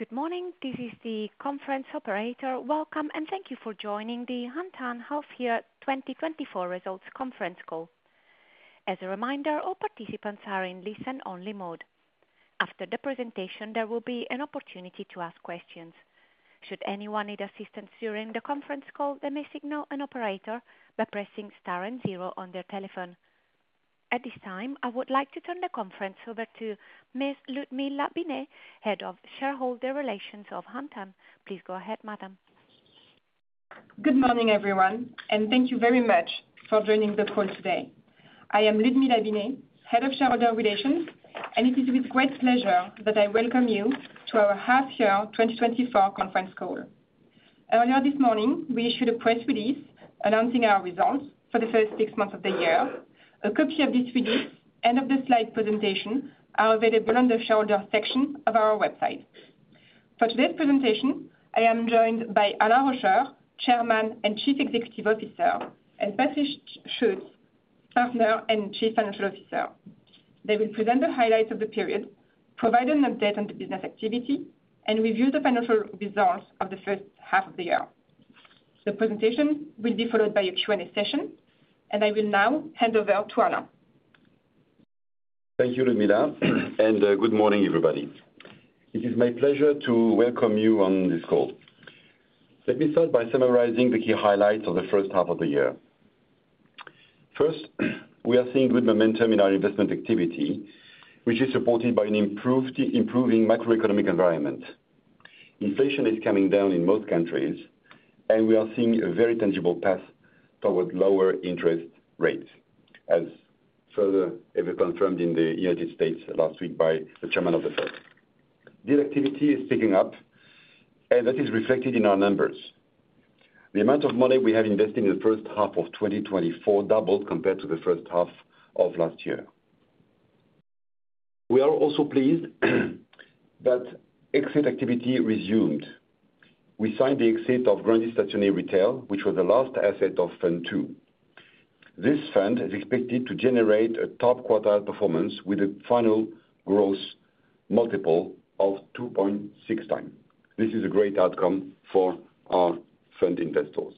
Good morning, this is the conference operator. Welcome, and thank you for joining the Antin half-year 2024 results conference call. As a reminder, all participants are in listen-only mode. After the presentation, there will be an opportunity to ask questions. Should anyone need assistance during the conference call, they may signal an operator by pressing star and zero on their telephone. At this time, I would like to turn the conference over to Ms. Ludmilla Binet, Head of Shareholder Relations of Antin. Please go ahead, Madam. Good morning, everyone, and thank you very much for joining the call today. I am Ludmilla Binet, Head of Shareholder Relations, and it is with great pleasure that I welcome you to our half-year 2024 conference call. Earlier this morning, we issued a press release announcing our results for the first six months of the year. A copy of this release and of the slide presentation are available on the shareholder section of our website. For today's presentation, I am joined by Alain Rauscher, Chairman and Chief Executive Officer, and Patrice Schuetz, Partner and Chief Financial Officer. They will present the highlights of the period, provide an update on the business activity, and review the financial results of the first half of the year. The presentation will be followed by a Q&A session, and I will now hand over to Alain. Thank you, Ludmilla, and good morning, everybody. It is my pleasure to welcome you on this call. Let me start by summarizing the key highlights of the first half of the year. First, we are seeing good momentum in our investment activity, which is supported by an improving macroeconomic environment. Inflation is coming down in most countries, and we are seeing a very tangible path towards lower interest rates, as further have been confirmed in the United States last week by the Chairman of the Fed. Deal activity is picking up, and that is reflected in our numbers. The amount of money we have invested in the first half of 2024 doubled compared to the first half of last year. We are also pleased that exit activity resumed. We signed the exit of Grandi Stazioni Retail, which was the last asset of Fund II. This fund is expected to generate a top quartile performance with a final growth multiple of 2.6x. This is a great outcome for our fund investors.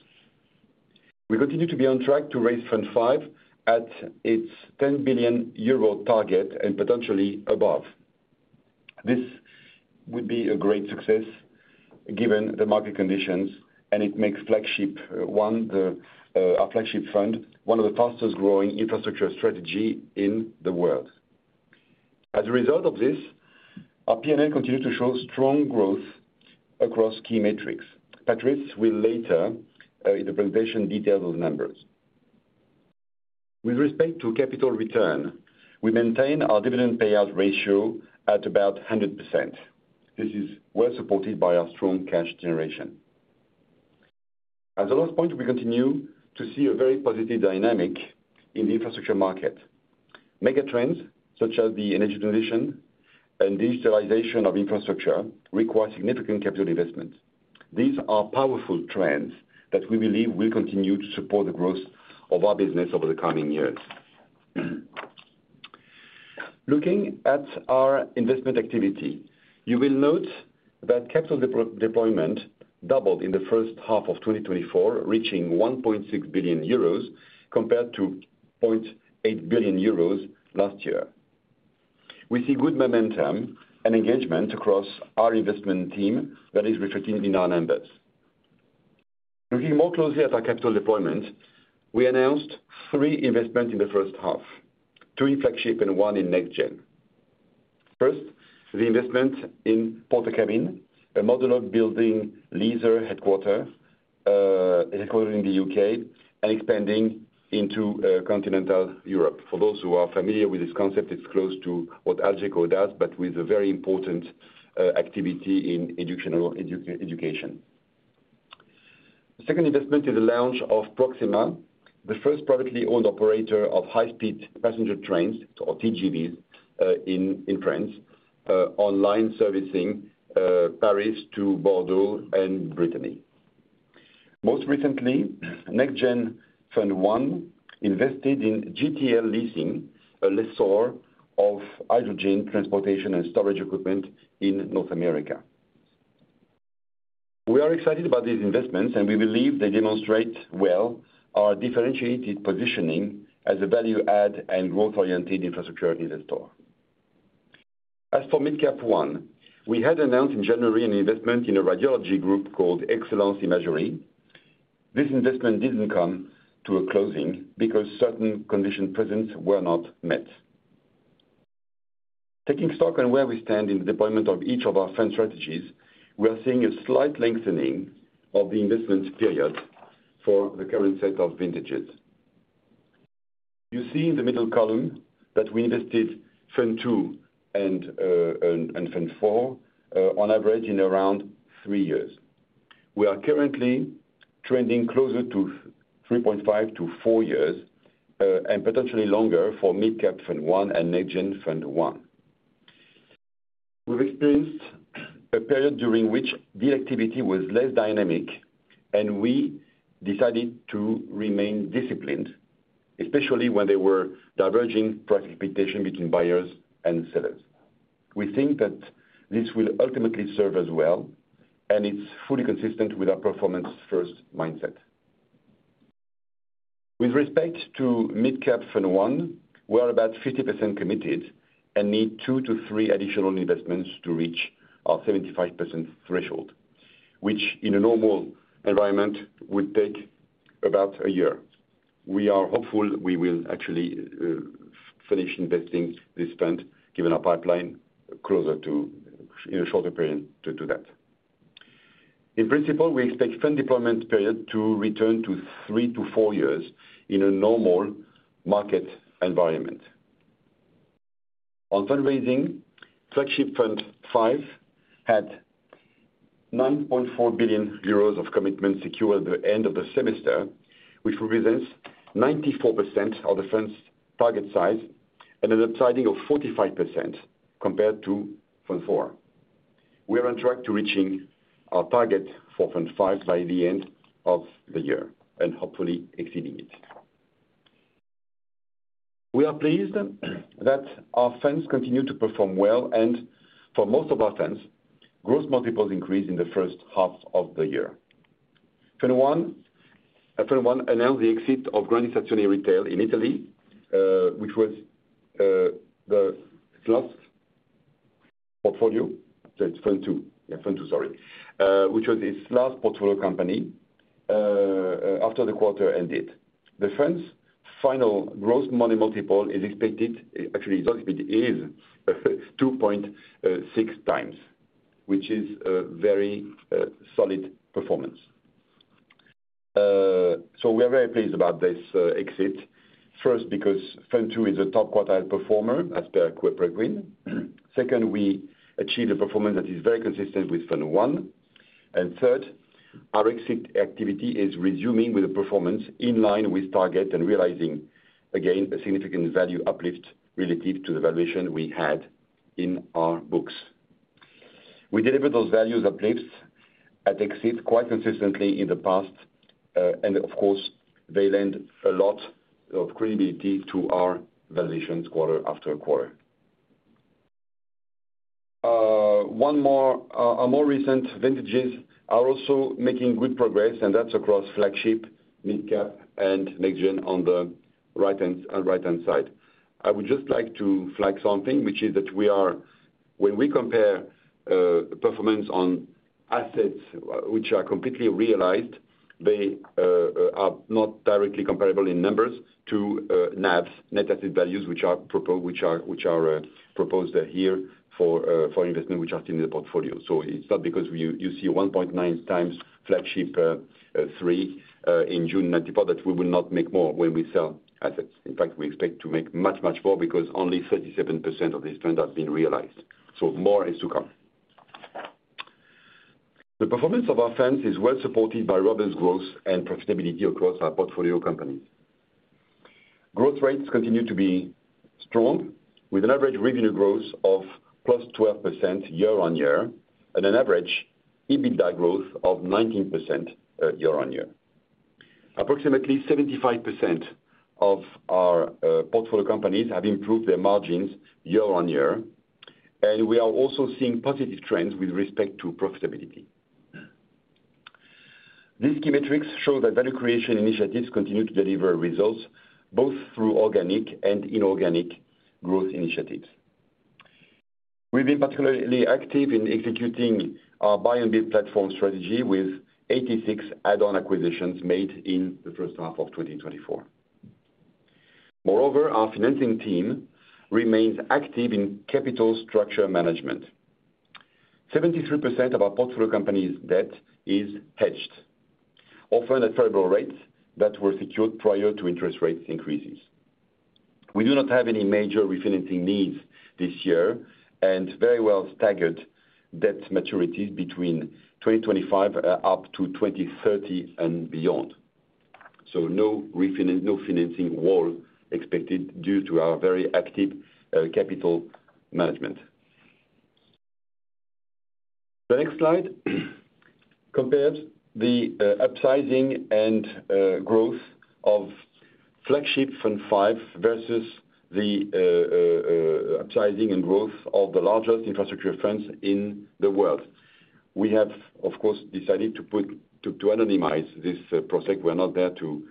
We continue to be on track to raise Fund V at its 10 billion euro target and potentially above. This would be a great success given the market conditions, and it makes Flagship I, the, our Flagship fund, one of the fastest growing infrastructure strategy in the world. As a result of this, our PNL continues to show strong growth across key metrics. Patrice will later, in the presentation, detail those numbers. With respect to capital return, we maintain our dividend payout ratio at about 100%. This is well supported by our strong cash generation. As a last point, we continue to see a very positive dynamic in the infrastructure market. Megatrends, such as the energy transition and digitalization of infrastructure, require significant capital investment. These are powerful trends that we believe will continue to support the growth of our business over the coming years. Looking at our investment activity, you will note that capital deployment doubled in the first half of 2024, reaching 1.6 billion euros compared to 0.8 billion euros last year. We see good momentum and engagement across our investment team that is reflected in our numbers. Looking more closely at our capital deployment, we announced three investments in the first half, three in Flagship and one in NextGen. First, the investment in Portakabin, a modular building leader headquartered in the U.K. and expanding into Continental Europe. For those who are familiar with this concept, it's close to what Algeco does, but with a very important activity in education. The second investment is the launch of Proxima, the first privately owned operator of high-speed passenger trains, or TGVs, in France on line servicing Paris to Bordeaux and Brittany. Most recently, NextGen Fund I invested in GTL Leasing, a lessor of hydrogen transportation and storage equipment in North America. We are excited about these investments, and we believe they demonstrate well our differentiated positioning as a value add and growth-oriented infrastructure investor. As for Mid Cap I, we had announced in January an investment in a radiology group called Excellence Imagerie. This investment didn't come to a closing because certain conditions precedent were not met. Taking stock on where we stand in the deployment of each of our fund strategies, we are seeing a slight lengthening of the investment period for the current set of vintages. You see in the middle column that we invested Fund II and Fund IV on average in around three years. We are currently trending closer to 3.5-4 years and potentially longer for Mid Cap Fund I and NextGen Fund I. We've experienced a period during which the activity was less dynamic, and we decided to remain disciplined, especially when there were diverging price expectations between buyers and sellers. We think that this will ultimately serve us well, and it's fully consistent with our performance-first mindset. With respect to Mid Cap Fund I, we are about 50% committed and need two to three additional investments to reach our 75% threshold, which in a normal environment, would take about a year. We are hopeful we will actually finish investing this fund, given our pipeline, closer to in a shorter period to that. In principle, we expect fund deployment period to return to 3-4 years in a normal market environment. On fundraising, Flagship Fund V had 9.4 billion euros of commitment secured at the end of the semester, which represents 94% of the fund's target size and an upsizing of 45% compared to Fund IV. We are on track to reaching our target for Fund V by the end of the year and hopefully exceeding it. We are pleased that our funds continue to perform well, and for most of our funds, gross multiples increased in the first half of the year. Fund I, Fund I announced the exit of Grandi Stazioni Retail in Italy, which was the last portfolio. So it's Fund II. Yeah, Fund II, sorry, which was its last portfolio company after the quarter ended. The fund's final gross money multiple is expected, actually, not expected, is 2.6x, which is a very solid performance. So we are very pleased about this exit. First, because Fund II is a top quartile performer as per Preqin. Second, we achieved a performance that is very consistent with Fund I. Third, our exit activity is resuming with a performance in line with target and realizing, again, a significant value uplift relative to the valuation we had in our books. We delivered those value uplifts at exit quite consistently in the past, and of course, they lend a lot of credibility to our valuations quarter after quarter. One more, our more recent vintages are also making good progress, and that's across Flagship, Mid Cap, and NextGen on the right-hand side. I would just like to flag something, which is that we are when we compare performance on assets which are completely realized, they are not directly comparable in numbers to NAVs, net asset values, which are proposed here for investment, which are in the portfolio. It's not because you see 1.9x Flagship III in June 2024 that we will not make more when we sell assets. In fact, we expect to make much, much more because only 37% of these funds have been realized. More is to come. The performance of our funds is well supported by robust growth and profitability across our portfolio companies. Growth rates continue to be strong, with an average revenue growth of +12% year on year and an average EBITDA growth of 19% year on year. Approximately 75% of our portfolio companies have improved their margins year on year, and we are also seeing positive trends with respect to profitability. These key metrics show that value creation initiatives continue to deliver results, both through organic and inorganic growth initiatives. We've been particularly active in executing our buy-and-build platform strategy, with 86 add-on acquisitions made in the first half of 2024. Moreover, our financing team remains active in capital structure management. 73% of our portfolio company's debt is hedged, often at favorable rates that were secured prior to interest rate increases. We do not have any major refinancing needs this year, and very well staggered debt maturities between 2025 up to 2030 and beyond. No financing wall expected due to our very active capital management. The next slide compared the upsizing and growth of Flagship Fund V versus the upsizing and growth of the largest infrastructure funds in the world. We have, of course, decided to anonymize this process. We're not there to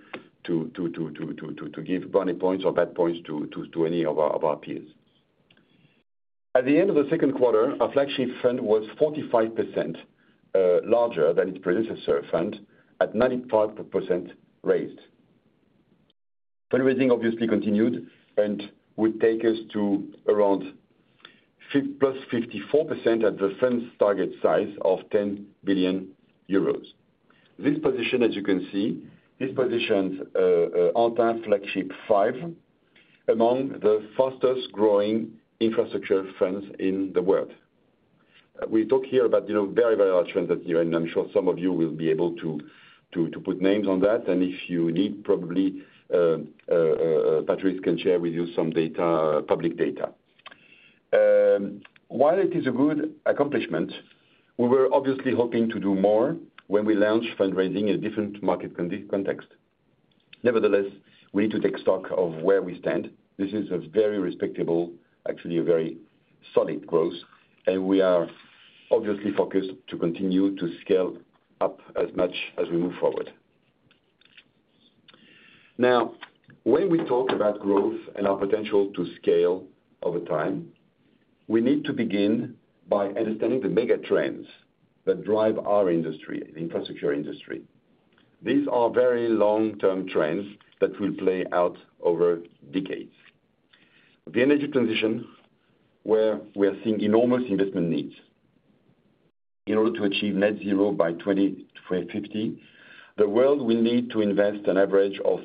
give brownie points or bad points to any of our peers. At the end of the second quarter, our Flagship Fund was 45% larger than its predecessor fund, at 95% raised. Fundraising obviously continued and will take us to around +54% at the fund's target size of 10 billion euros. This position, as you can see, positions Antin Flagship IV among the fastest growing infrastructure funds in the world. We talk here about, you know, very large trends that, you know, and I'm sure some of you will be able to put names on that, and if you need, probably Patrice can share with you some data, public data. While it is a good accomplishment, we were obviously hoping to do more when we launched fundraising in a different market context. Nevertheless, we need to take stock of where we stand. This is a very respectable, actually, a very solid growth, and we are obviously focused to continue to scale up as much as we move forward. Now, when we talk about growth and our potential to scale over time, we need to begin by understanding the mega trends that drive our industry, the infrastructure industry. These are very long-term trends that will play out over decades. The energy transition, where we are seeing enormous investment needs. In order to achieve net zero by 2025, the world will need to invest an average of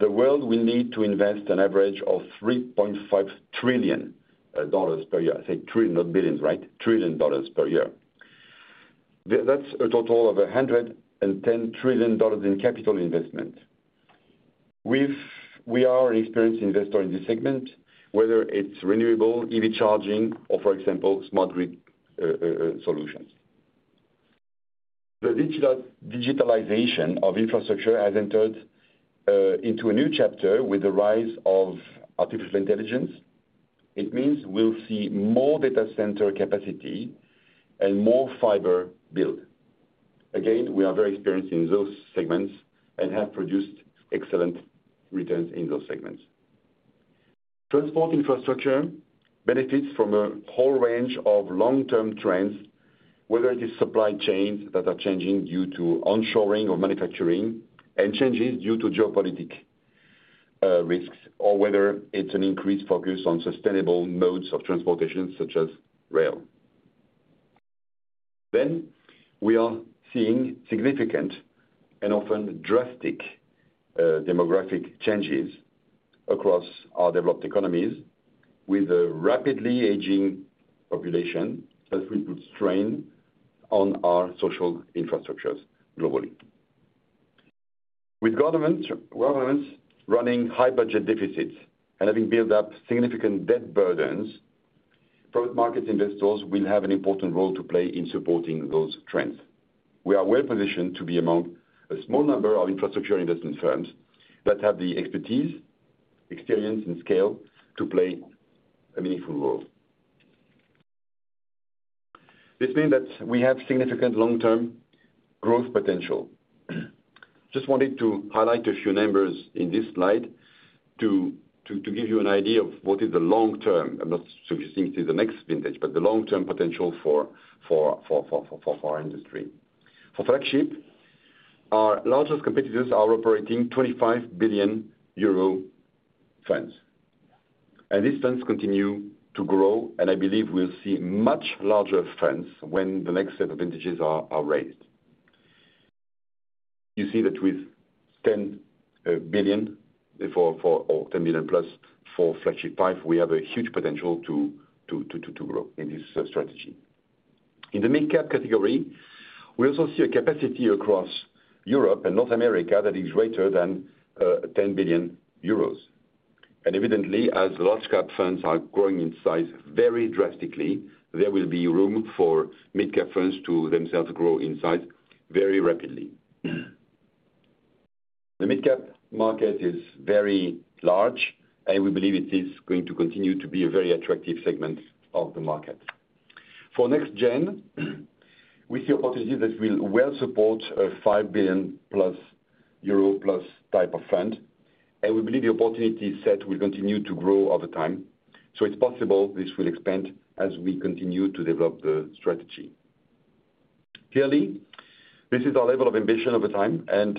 trillion per year. I say trillion, not billions, right? Trillion dollars per year. That's a total of $110 trillion in capital investment. We are an experienced investor in this segment, whether it's renewable, EV charging, or for example, smart grid solutions. The digitalization of infrastructure has entered into a new chapter with the rise of artificial intelligence. It means we'll see more data center capacity and more fiber build. Again, we are very experienced in those segments and have produced excellent returns in those segments. Transport infrastructure benefits from a whole range of long-term trends, whether it is supply chains that are changing due to onshoring or manufacturing, and changes due to geopolitical risks, or whether it's an increased focus on sustainable modes of transportation, such as rail. We are seeing significant and often drastic demographic changes across our developed economies, with a rapidly aging population that will put strain on our social infrastructures globally. With government, governments running high budget deficits and having built up significant debt burdens, private market investors will have an important role to play in supporting those trends. We are well positioned to be among a small number of infrastructure investment firms that have the expertise, experience, and scale to play a meaningful role. This means that we have significant long-term growth potential. Just wanted to highlight a few numbers in this slide to give you an idea of what is the long term, and not specifically the next vintage, but the long-term potential for our industry. For Flagship, our largest competitors are operating 25 billion euro funds, and these funds continue to grow, and I believe we'll see much larger funds when the next set of vintages are raised. You see that with 10 billion EUR for or 10 billion-plus for Flagship V, we have a huge potential to grow in this strategy. In the midcap category, we also see a capacity across Europe and North America that is greater than 10 billion euros. And evidently, as large cap funds are growing in size very drastically, there will be room for midcap funds to themselves grow in size very rapidly. The midcap market is very large, and we believe it is going to continue to be a very attractive segment of the market. For NextGen, we see opportunities that will well support a 5 billion euro-plus type of fund, and we believe the opportunity set will continue to grow over time. So it's possible this will expand as we continue to develop the strategy. Clearly, this is our level of ambition over time, and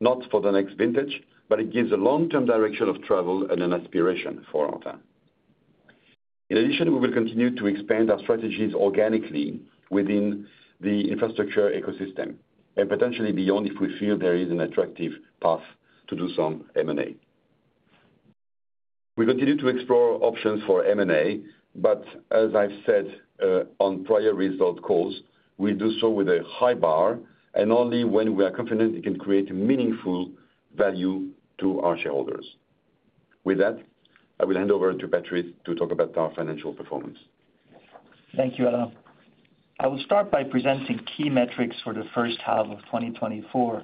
not for the next vintage, but it gives a long-term direction of travel and an aspiration for our time. In addition, we will continue to expand our strategies organically within the infrastructure ecosystem, and potentially beyond if we feel there is an attractive path to do some M&A. We continue to explore options for M&A, but as I've said on prior result calls, we do so with a high bar and only when we are confident it can create meaningful value to our shareholders. With that, I will hand over to Patrice to talk about our financial performance. Thank you, Alain. I will start by presenting key metrics for the first half of 2024,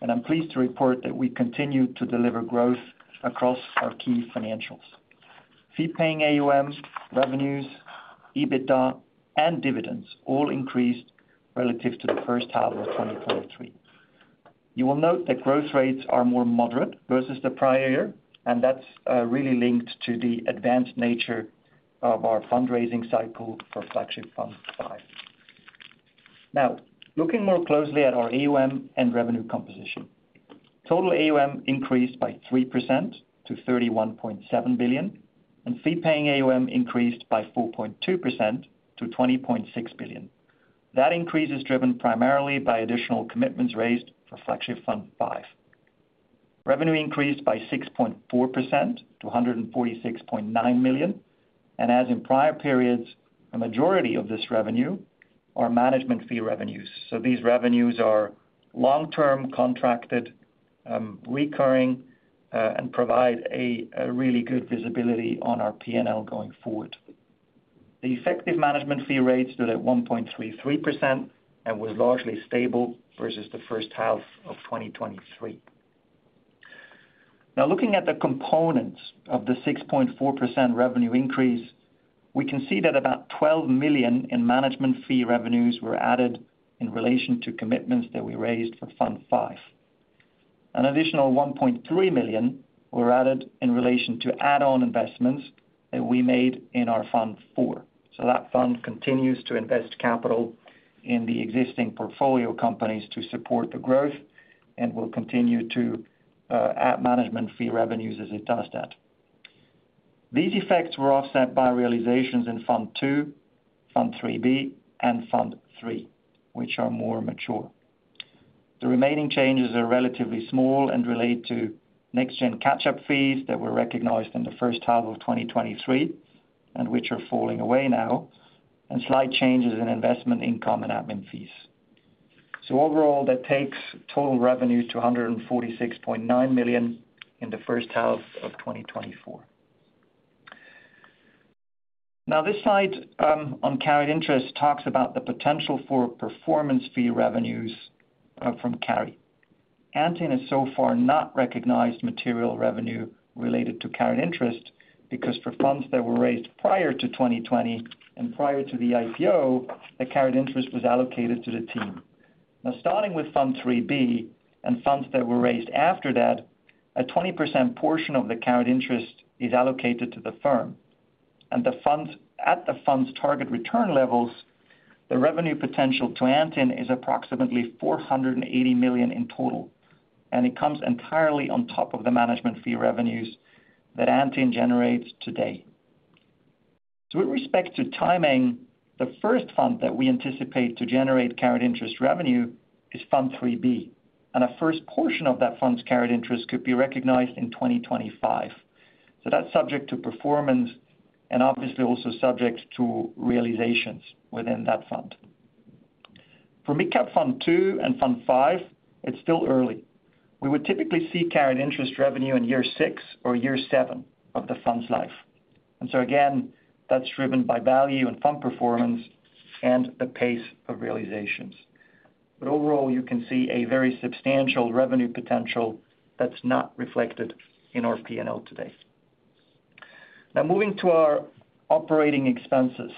and I'm pleased to report that we continued to deliver growth across our key financials. Fee-paying AUMs, revenues, EBITDA, and dividends all increased relative to the first half of 2023. You will note that growth rates are more moderate versus the prior year, and that's really linked to the advanced nature of our fundraising cycle for Flagship Fund V. Now, looking more closely at our AUM and revenue composition. Total AUM increased by 3% to 31.7 billion, and fee-paying AUM increased by 4.2% to 20.6 billion. That increase is driven primarily by additional commitments raised for Flagship Fund V. Revenue increased by 6.4% to 146.9 million, and as in prior periods, a majority of this revenue are management fee revenues. These revenues are long-term recurring and provide a really good visibility on our PNL going forward. The effective management fee rates stood at 1.33% and was largely stable versus the first half of 2023. Now, looking at the components of the 6.4% revenue increase, we can see that about 12 million in management fee revenues were added in relation to commitments that we raised for Fund V. An additional 1.3 million were added in relation to add-on investments that we made in our Fund IV. That fund continues to invest capital in the existing portfolio companies to support the growth and will continue to add management fee revenues as it does that. These effects were offset by realizations in Fund II, Fund III-B, and Fund III, which are more mature. The remaining changes are relatively small and relate to NextGen catch-up fees that were recognized in the first half of 2023, and which are falling away now, and slight changes in investment income and admin fees. Overall, that takes total revenues to 146.9 million in the first half of 2024. Now, this slide on carried interest talks about the potential for performance fee revenues from carry. Antin has so far not recognized material revenue related to carried interest, because for funds that were raised prior to 2020 and prior to the IPO, the carried interest was allocated to the team. Now, starting with Fund III-B and funds that were raised after that, a 20% portion of the carried interest is allocated to the firm. And at the fund's target return levels, the revenue potential to Antin is approximately 480 million in total, and it comes entirely on top of the management fee revenues that Antin generates today. So with respect to timing, the first fund that we anticipate to generate carried interest revenue is Fund III-B, and a first portion of that fund's carried interest could be recognized in 2025. So that's subject to performance and obviously also subject to realizations within that fund. For Mid Cap Fund II and Fund V, it's still early. We would typically see carried interest revenue in year six or year seven of the fund's life. And so again, that's driven by value and fund performance and the pace of realizations. But overall, you can see a very substantial revenue potential that's not reflected in our PNL today. Now, moving to our operating expenses.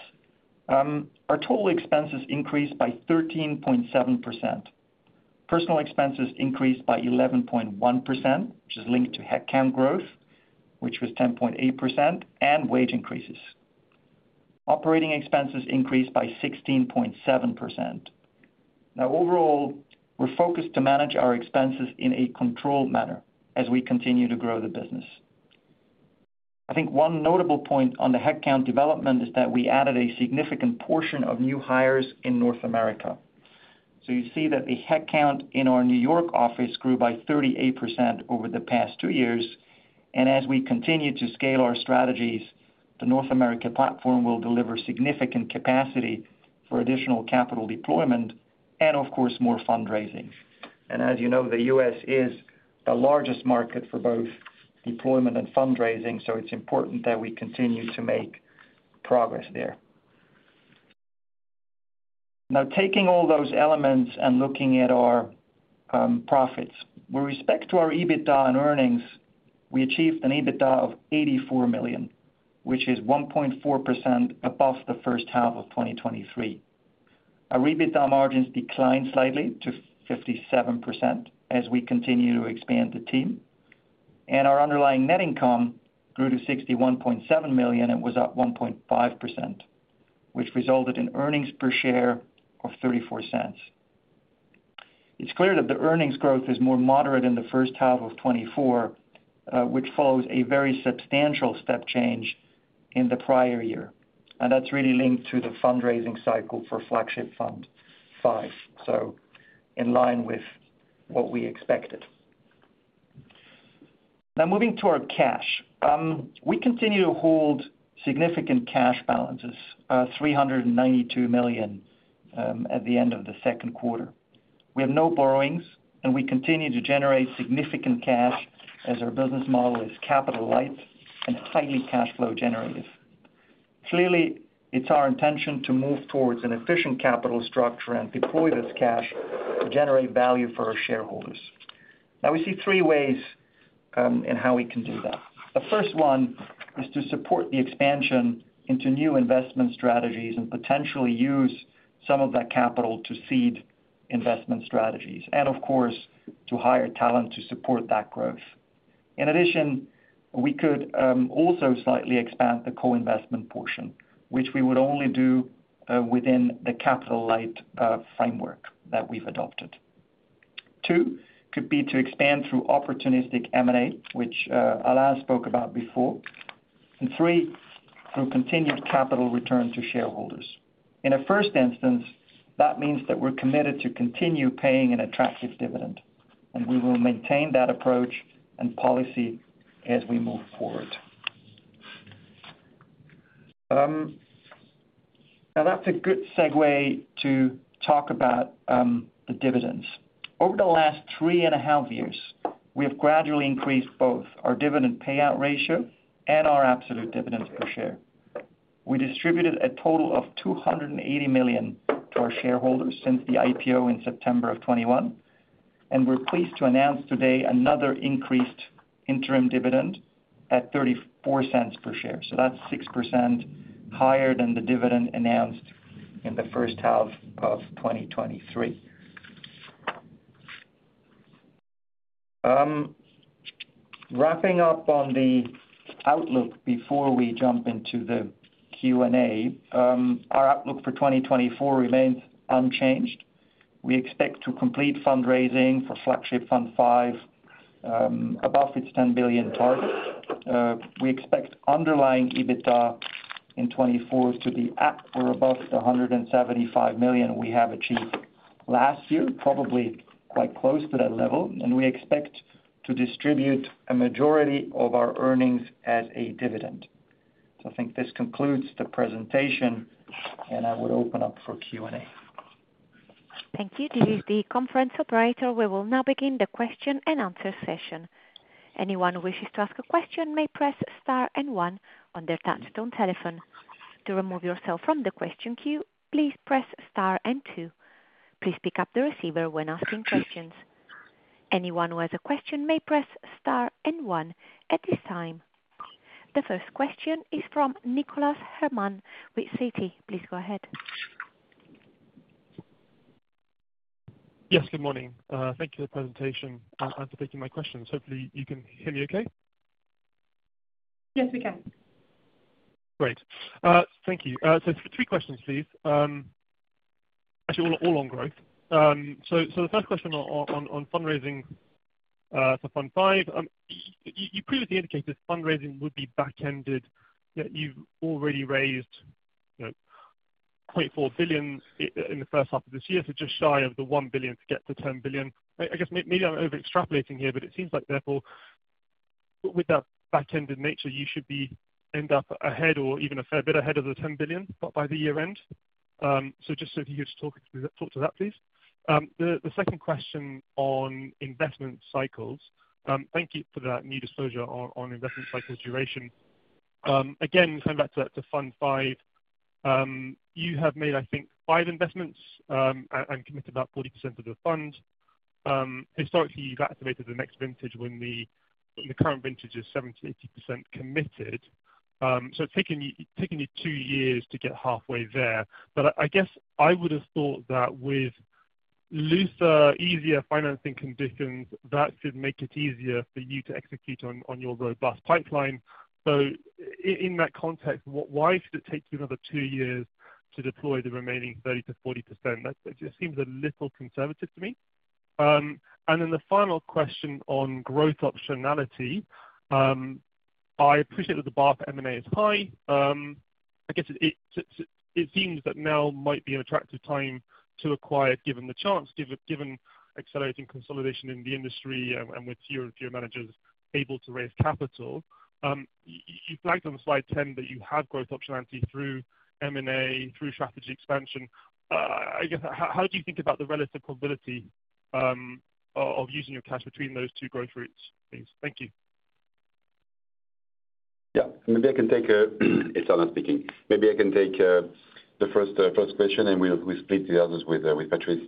Our total expenses increased by 13.7%. Personal expenses increased by 11.1%, which is linked to headcount growth, which was 10.8%, and wage increases. Operating expenses increased by 16.7%. Now, overall, we're focused to manage our expenses in a controlled manner as we continue to grow the business. I think one notable point on the headcount development is that we added a significant portion of new hires in North America. So you see that the headcount in our New York office grew by 38% over the past two years, and as we continue to scale our strategies, the North America platform will deliver significant capacity for additional capital deployment and, of course, more fundraising. And as you know, the U.S. is the largest market for both deployment and fundraising, so it's important that we continue to make progress there. Now, taking all those elements and looking at our profits. With respect to our EBITDA and earnings, we achieved an EBITDA of 84 million, which is 1.4% above the first half of 2023. Our EBITDA margins declined slightly to 57% as we continue to expand the team, and our underlying net income grew to 61.7 million and was up 1.5%, which resulted in earnings per share of 0.34. It's clear that the earnings growth is more moderate in the first half of 2024, which follows a very substantial step change in the prior year, and that's really linked to the fundraising cycle for Flagship Fund V, so in line with what we expected. Now, moving to our cash. We continue to hold significant cash balances, 392 million, at the end of the second quarter. We have no borrowings, and we continue to generate significant cash as our business model is capital light and highly cash flow generative. Clearly, it's our intention to move towards an efficient capital structure and deploy this cash to generate value for our shareholders. Now, we see three ways, in how we can do that. The first one is to support the expansion into new investment strategies and potentially use some of that capital to seed investment strategies, and of course, to hire talent to support that growth. In addition, we could also slightly expand the co-investment portion, which we would only do within the capital-light framework that we've adopted. Two, could be to expand through opportunistic M&A, which Alain spoke about before. And three, through continued capital return to shareholders. In a first instance, that means that we're committed to continue paying an attractive dividend, and we will maintain that approach and policy as we move forward. Now that's a good segue to talk about the dividends. Over the last three and a half years, we have gradually increased both our dividend payout ratio and our absolute dividends per share. We distributed a total of 280 million to our shareholders since the IPO in September of 2021, and we're pleased to announce today another increased interim dividend at 0.34 per share. So that's 6% higher than the dividend announced in the first half of 2023. Wrapping up on the outlook before we jump into the Q&A, our outlook for 2024 remains unchanged. We expect to complete fundraising for Flagship Fund V above its 10 billion target. We expect underlying EBITDA in 2024 to be at or above the 175 million we have achieved last year, probably quite close to that level, and we expect to distribute a majority of our earnings as a dividend. So I think this concludes the presentation, and I would open up for Q&A. Thank you. This is the conference operator. We will now begin the question-and-answer session. Anyone who wishes to ask a question may press star and one on their touchtone telephone. To remove yourself from the question queue, please press star and two. Please pick up the receiver when asking questions. Anyone who has a question may press star and one at this time. The first question is from Nicholas Herman with Citi. Please go ahead. Yes, good morning. Thank you for the presentation, and for taking my questions. Hopefully, you can hear me okay? Yes, we can. Great. Thank you. So three questions, please. Actually, all on growth. So the first question on fundraising for Fund V. You previously indicated fundraising would be back-ended, yet you've already raised, you know, 0.4 billion in the first half of this year, so just shy of the one billion to get to 10 billion. I guess maybe I'm over extrapolating here, but it seems like therefore, with that back-ended nature, you should end up ahead or even a fair bit ahead of the 10 billion by year end. So just if you could just talk to that, please. The second question on investment cycles, thank you for that new disclosure on investment cycles duration. Again, coming back to Fund V, you have made, I think, five investments, and committed about 40% of the fund. Historically, you've activated the next vintage when the current vintage is 70-80% committed. So it's taken you two years to get halfway there. But I guess I would have thought that with looser, easier financing conditions, that should make it easier for you to execute on your robust pipeline. So in that context, why should it take you another two years to deploy the remaining 30-40%? That just seems a little conservative to me. And then the final question on growth optionality, I appreciate that the bar for M&A is high. I guess it seems that now might be an attractive time to acquire, given accelerating consolidation in the industry and with tier managers able to raise capital. You flagged on slide 10 that you have growth optionality through M&A, through strategy expansion. I guess, how do you think about the relative probability of using your cash between those two growth routes, please? Thank you. Yeah. Maybe I can take, it's Alain speaking. Maybe I can take the first question, and we'll split the others with Patrice.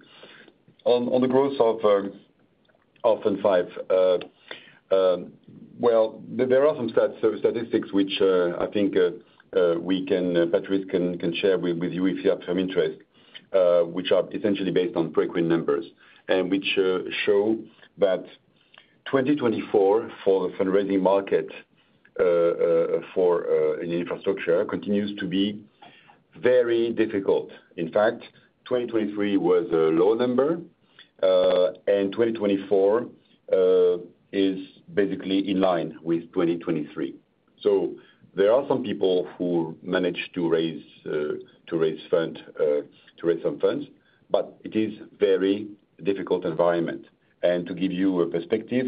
On the growth of Fund V, well, there are some statistics which I think, Patrice can share with you if you have some interest, which are essentially based on Preqin numbers, and which show that 2024 for the fundraising market in infrastructure continues to be very difficult. In fact, 2023 was a low number, and 2024 is basically in line with 2023. So there are some people who managed to raise some funds, but it is very difficult environment. To give you a perspective,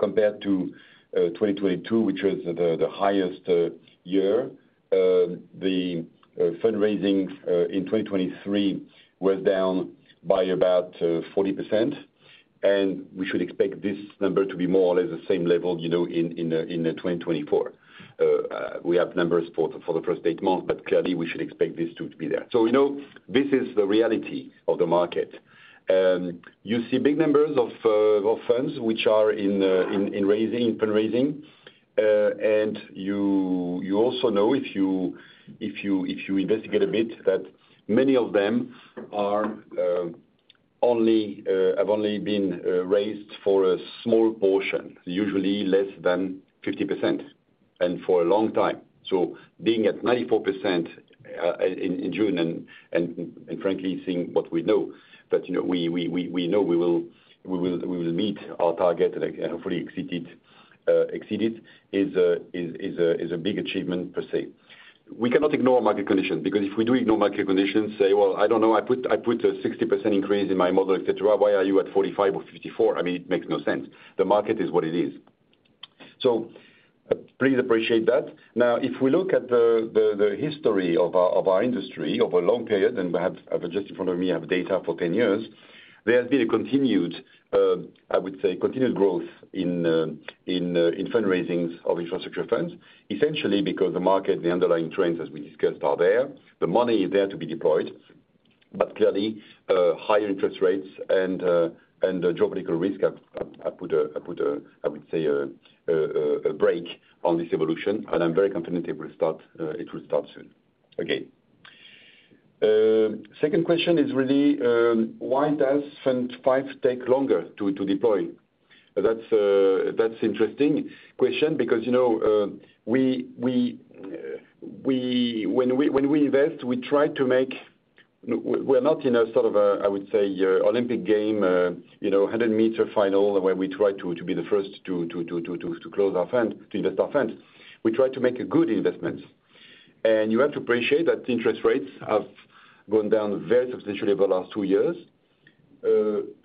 compared to 2022, which was the highest year, the fundraising in 2023 was down by about 40%, and we should expect this number to be more or less the same level, you know, in 2024. We have numbers for the first eight months, but clearly we should expect this to be there. So, you know, this is the reality of the market. You see big numbers of funds which are in raising, in fundraising, and you also know, if you investigate a bit, that many of them have only been raised for a small portion, usually less than 50%, and for a long time. So being at 94%, in June, and frankly, seeing what we know, that you know, we know we will meet our target and hopefully exceed it, exceed it, is a big achievement per se. We cannot ignore market conditions, because if we do ignore market conditions, say, "Well, I don't know, I put a 60% increase in my model, et cetera. Why are you at 45% or 54%?" I mean, it makes no sense. The market is what it is. So please appreciate that. Now, if we look at the history of our industry over a long period, I have just in front of me data for 10 years. There has been a continued, I would say, continued growth in fundraisings of infrastructure funds, essentially because the market, the underlying trends, as we discussed, are there. The money is there to be deployed, but clearly, higher interest rates and geopolitical risk have put a, I would say, a break on this evolution, and I'm very confident it will start soon. Okay. Second question is really, why does Fund V take longer to deploy? That's interesting question because, you know, we when we invest, we try to make... We're not in a sort of a, I would say, Olympic game, you know, 100-meter final, where we try to close our fund, to invest our fund. We try to make a good investment, and you have to appreciate that interest rates have gone down very substantially over the last two years,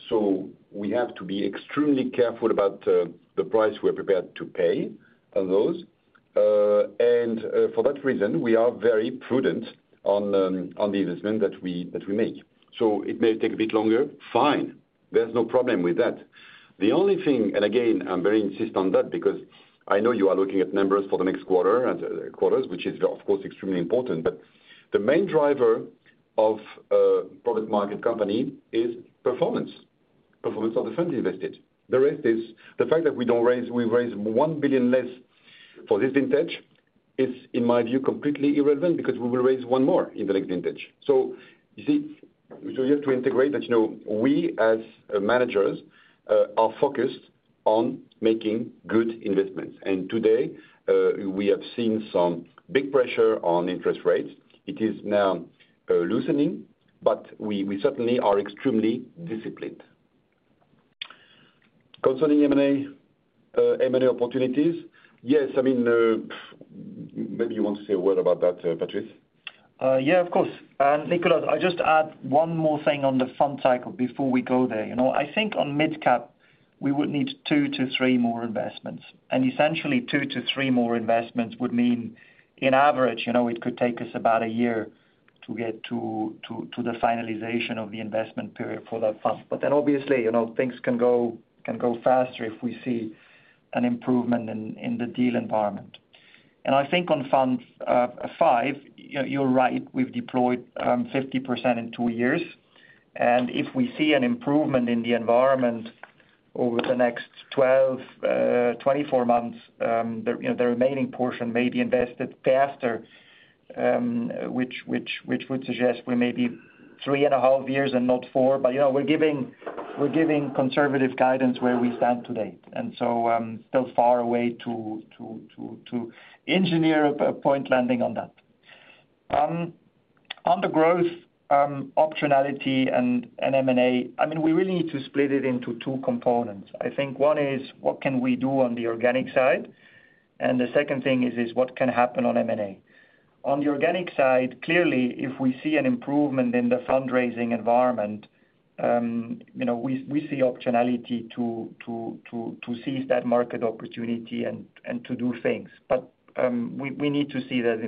so we have to be extremely careful about the price we're prepared to pay on those, and, for that reason, we are very prudent on the investment that we make, so it may take a bit longer, fine. There's no problem with that. The only thing, and again, I'm very insistent on that, because I know you are looking at numbers for the next quarter and quarters, which is, of course, extremely important. But the main driver of a public market company is performance, performance of the fund invested. The rest is... The fact that we don't raise, we raise one billion less for this vintage, is, in my view, completely irrelevant, because we will raise one more in the next vintage. So you see, you have to integrate that, you know, we, as managers, are focused on making good investments. And today, we have seen some big pressure on interest rates. It is now loosening, but we certainly are extremely disciplined. Concerning M&A, M&A opportunities, yes, I mean, maybe you want to say a word about that, Patrice? Yeah, of course. Nicolas, I'll just add one more thing on the fund cycle before we go there. You know, I think on Mid Cap, we would need two to three more investments, and essentially two to three more investments would mean, in average, you know, it could take us about a year to get to the finalization of the investment period for that fund. But then, obviously, you know, things can go faster if we see an improvement in the deal environment. And I think on Fund V, you're right, we've deployed 50% in two years. And if we see an improvement in the environment over the next 12, 24 months, you know, the remaining portion may be invested faster, which would suggest we may be three and a half years and not four. But, you know, we're giving conservative guidance where we stand today, and so, still far away to engineer a point landing on that. On the growth, optionality and M&A, I mean, we really need to split it into two components. I think one is, what can we do on the organic side? And the second thing is, what can happen on M&A. On the organic side, clearly, if we see an improvement in the fundraising environment, you know, we see optionality to seize that market opportunity and to do things. We need to see that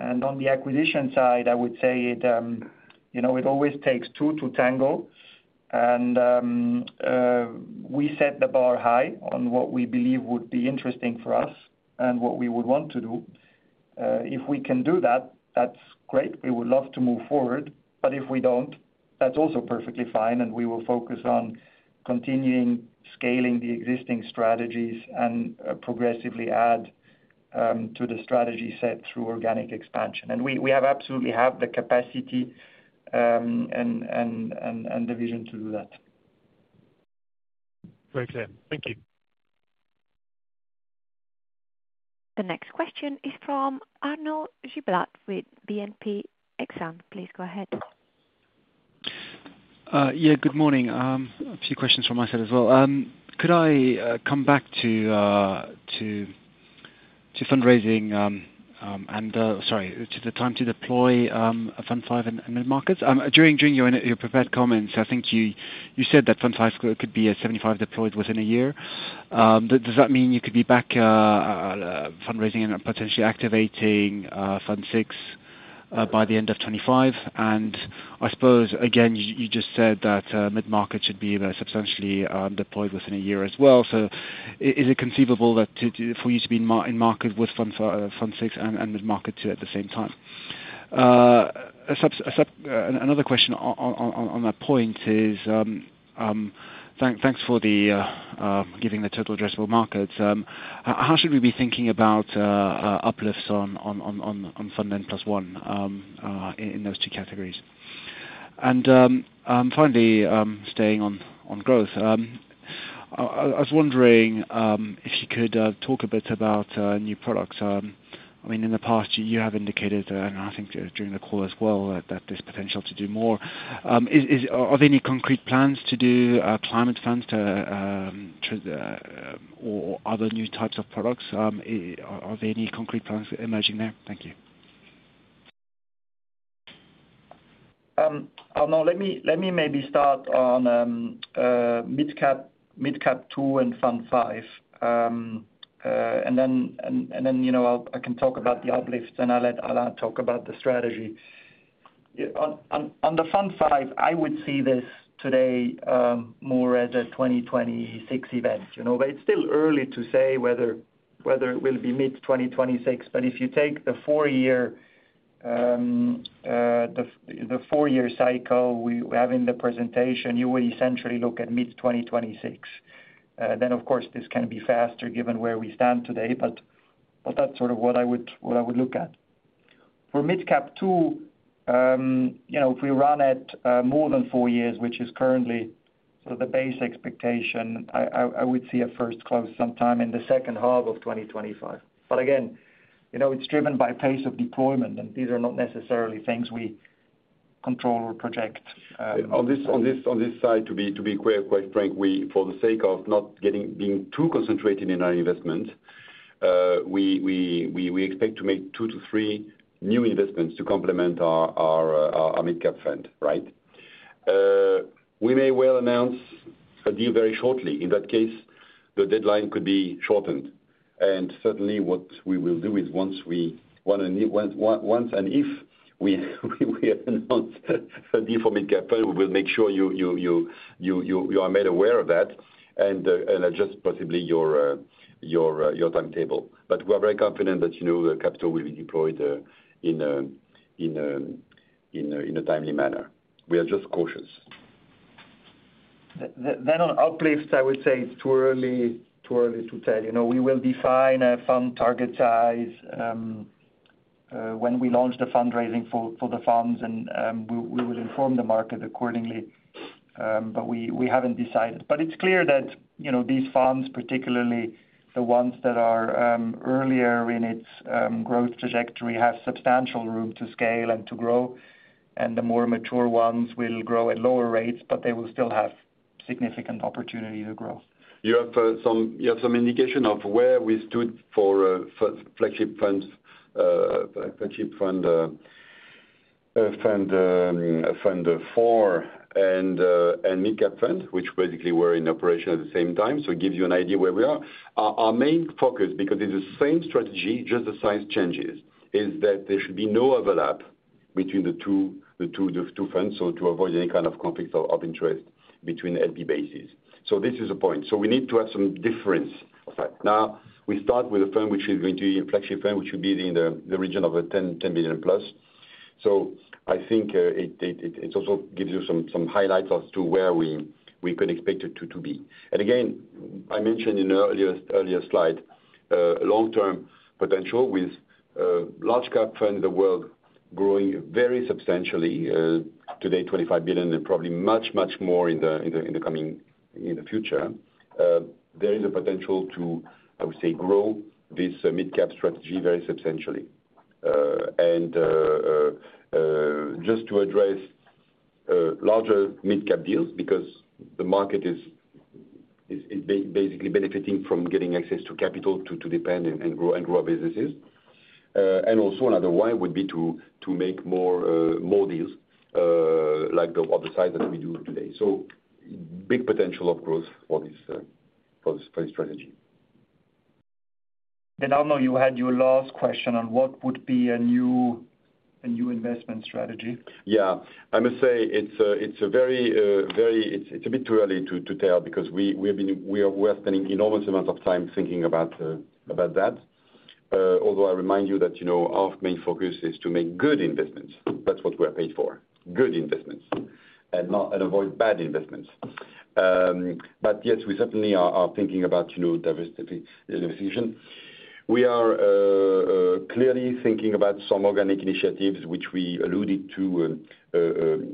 improvement. On the acquisition side, I would say, you know, it always takes two to tango. We set the bar high on what we believe would be interesting for us and what we would want to do. If we can do that, that's great. We would love to move forward, but if we don't, that's also perfectly fine, and we will focus on continuing scaling the existing strategies and progressively add to the strategy set through organic expansion. We absolutely have the capacity and the vision to do that. Very clear. Thank you. The next question is from Arnaud Giblat with BNP Exane. Please go ahead. Yeah, good morning. A few questions from my side as well. Could I come back to fundraising, and sorry, to the time to deploy, Fund V and mid-markets? During your prepared comments, I think you said that Fund V could be at 75% deployed within a year. Does that mean you could be back fundraising and potentially activating Fund VI by the end of 2025? I suppose, again, you just said that mid-market should be substantially deployed within a year as well. Is it conceivable for you to be in market with Fund VI and mid-market too at the same time? A sub, a sub... And, another question on that point is, thanks for giving the total addressable markets. How should we be thinking about uplifts on Fund N+1 those two categories? And finally, staying on growth. I was wondering if you could talk a bit about new products. I mean, in the past, you have indicated, and I think during the call as well, that there's potential to do more. Are there any concrete plans to do climate funds or other new types of products? Are there any concrete plans emerging there? Thank you.... Oh, no, let me, let me maybe start on Mid Cap, Mid Cap II and Fund V. And then, you know, I'll-- I can talk about the uplifts, and I'll let Alain talk about the strategy. On the Fund V, I would see this today more as a 2026 event, you know? But it's still early to say whether it will be mid-2026. But if you take the four-year cycle we have in the presentation, you will essentially look at mid-2026. Then, of course, this can be faster given where we stand today, but that's sort of what I would look at. For Mid Cap II, you know, if we run at more than four years, which is currently sort of the base expectation, I would see a first close sometime in the second half of 2025. But again, you know, it's driven by pace of deployment, and these are not necessarily things we control or project. On this side, to be quite frank, we, for the sake of not getting being too concentrated in our investment, we expect to make two to three new investments to complement our Mid Cap fund, right? We may well announce a deal very shortly. In that case, the deadline could be shortened. And certainly, what we will do is once we announce a deal for Mid Cap fund, we will make sure you are made aware of that and adjust possibly your timetable. But we are very confident that, you know, the capital will be deployed in a timely manner. We are just cautious. Then on uplifts, I would say it's too early, too early to tell. You know, we will define a fund target size, when we launch the fundraising for, for the funds, and, we, we will inform the market accordingly. But we, we haven't decided. But it's clear that, you know, these funds, particularly the ones that are, earlier in its, growth trajectory, have substantial room to scale and to grow, and the more mature ones will grow at lower rates, but they will still have significant opportunity to grow. You have some indication of where we stood for Flagship Funds, Flagship Fund IV, and Mid Cap Fund, which basically were in operation at the same time, so it gives you an idea where we are. Our main focus, because it is the same strategy, just the size changes, is that there should be no overlap between the two funds, so to avoid any kind of conflicts of interest between LP bases. This is a point. We need to have some difference. Now, we start with a fund which is going to be a Flagship Fund, which should be in the region of 10 billion plus. I think it also gives you some highlights as to where we could expect it to be. And again, I mentioned in the earlier slide, long-term potential with large-cap funds, the world growing very substantially, today, 25 billion and probably much more in the coming future. There is a potential to, I would say, grow this Mid Cap strategy very substantially. And just to address larger Mid Cap deals, because the market is basically benefiting from getting access to capital to expand and grow our businesses. And also, another way would be to make more deals, like the ones on the side that we do today. Big potential of growth for this strategy. Now, you had your last question on what would be a new investment strategy? Yeah. I must say it's a bit too early to tell because we are spending enormous amount of time thinking about that. Although I remind you that, you know, our main focus is to make good investments. That's what we are paid for, good investments, and not avoid bad investments. But yes, we certainly are thinking about, you know, diversity in decision. We are clearly thinking about some organic initiatives which we alluded to,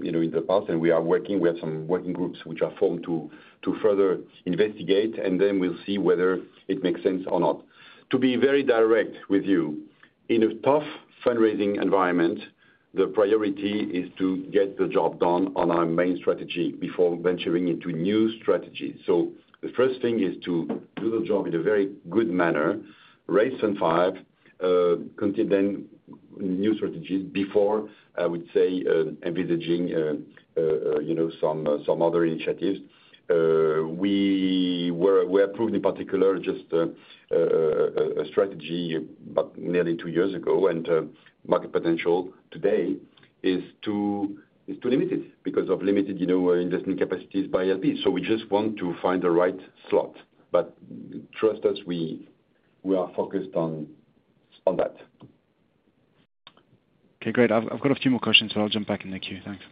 you know, in the past, and we are working. We have some working groups which are formed to further investigate, and then we'll see whether it makes sense or not. To be very direct with you, in a tough fundraising environment, the priority is to get the job done on our main strategy before venturing into new strategies. So the first thing is to do the job in a very good manner, raise Fund V, continue then new strategies before, I would say, envisaging, you know, some other initiatives. We approved, in particular, just a strategy about nearly two years ago, and market potential today is too limited because of limited, you know, investing capacities by LP. So we just want to find the right slot, but trust us, we are focused on that. Okay, great. I've got a few more questions, so I'll jump back in the queue. Thanks.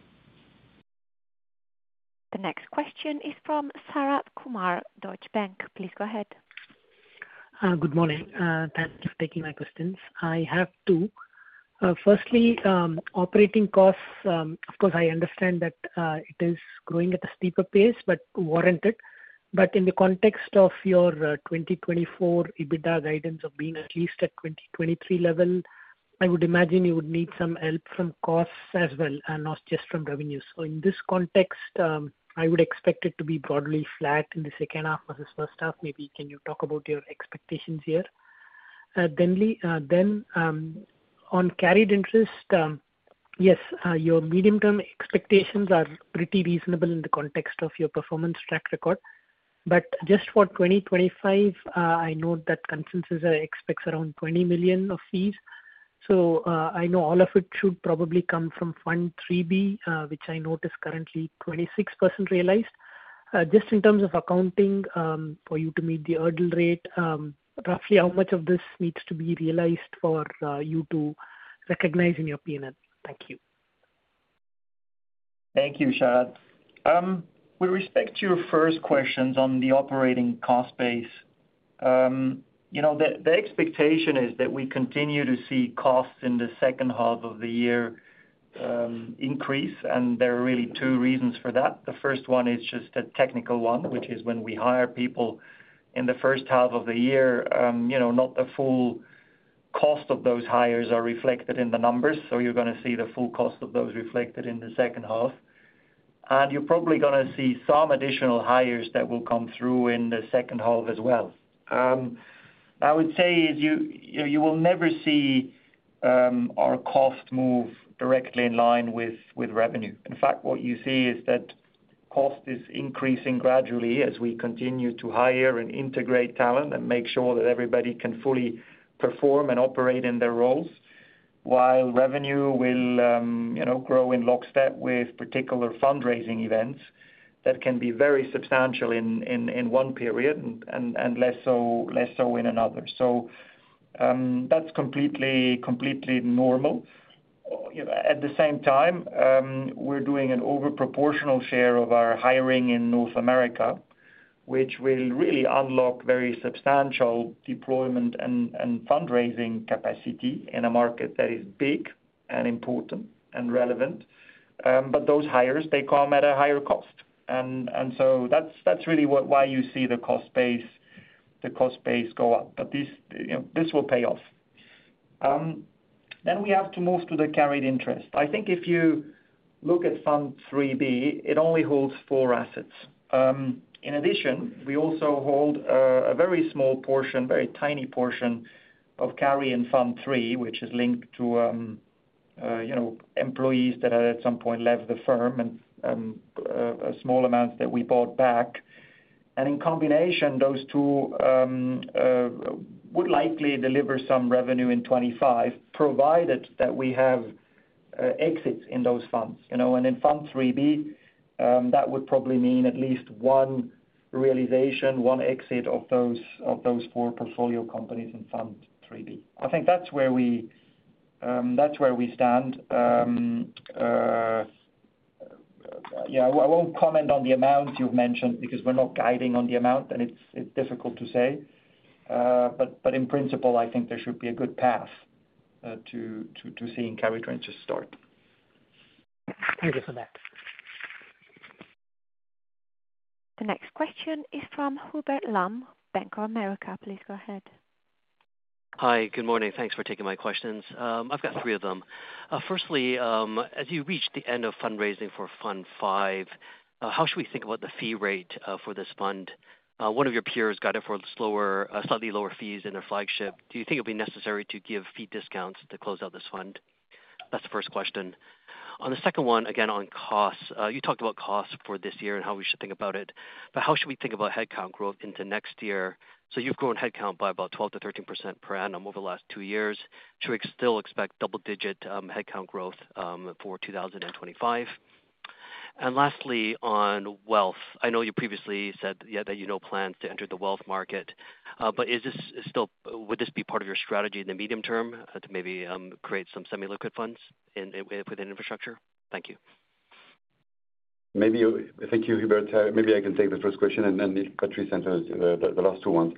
The next question is from Sharath Kumar, Deutsche Bank. Please go ahead. Good morning. Thanks for taking my questions. I have two. Firstly, operating costs, of course, I understand that it is growing at a steeper pace but warranted. But in the context of your 2024 EBITDA guidance of being at least at 2023 level, I would imagine you would need some help from costs as well, and not just from revenues. So in this context, I would expect it to be broadly flat in the second half versus first half. Maybe can you talk about your expectations here? Then, on carried interest, yes, your medium-term expectations are pretty reasonable in the context of your performance track record. But just for 2025, I note that consensus expects around 20 millions of fees. I know all of it should probably come from Fund III-B, which I notice currently 26% realized. Just in terms of accounting, for you to meet the hurdle rate, roughly how much of this needs to be realized for you to recognize in your P&L? Thank you. Thank you, Sharath. With respect to your first questions on the operating cost base, you know, the expectation is that we continue to see costs in the second half of the year increase, and there are really two reasons for that. The first one is just a technical one, which is when we hire people in the first half of the year, you know, not the full cost of those hires are reflected in the numbers, so you're gonna see the full cost of those reflected in the second half, and you're probably gonna see some additional hires that will come through in the second half as well. I would say you will never see our cost move directly in line with revenue. In fact, what you see is that cost is increasing gradually as we continue to hire and integrate talent and make sure that everybody can fully perform and operate in their roles. While revenue will, you know, grow in lockstep with particular fundraising events, that can be very substantial in one period and less so in another. So, that's completely normal. You know, at the same time, we're doing an over proportional share of our hiring in North America, which will really unlock very substantial deployment and fundraising capacity in a market that is big and important and relevant. But those hires, they come at a higher cost. And so that's really what... why you see the cost base go up. But this, you know, this will pay off. Then we have to move to the carried interest. I think if you look at Fund III-B, it only holds four assets. In addition, we also hold a very small portion, very tiny portion of carry in Fund III, which is linked to, you know, employees that have at some point left the firm and small amounts that we bought back. And in combination, those two would likely deliver some revenue in 2025, provided that we have exits in those funds. You know, and in Fund III-B, that would probably mean at least one realization, one exit of those four portfolio companies in Fund III-B. I think that's where we stand. Yeah, I won't comment on the amount you've mentioned, because we're not guiding on the amount, and it's difficult to say, but in principle, I think there should be a good path to seeing carry tranches start. Thank you for that. The next question is from Hubert Lam, Bank of America. Please go ahead. Hi, good morning. Thanks for taking my questions. I've got three of them. Firstly, as for Fund V, how should we think about the fee rate for this fund? One of your peers got it for closure, slightly lower fees in their flagship. Do you think it'll be necessary to give fee discounts to close out this fund? That's the first question. On the second one, again, on costs. You talked about costs for this year and how we should think about it, but how should we think about headcount growth into next year? So you've grown headcount by about 12 to 13% per annum over the last two years. Should we still expect double digit headcount growth for two 2025? And lastly, on wealth. I know you previously said, yeah, that you know plans to enter the wealth market, but is this still... Would this be part of your strategy in the medium term, to maybe, create some semi-liquid funds in, within infrastructure? Thank you. Maybe, thank you, Hubert. Maybe I can take the first question, and then if Patrice answers the last two ones.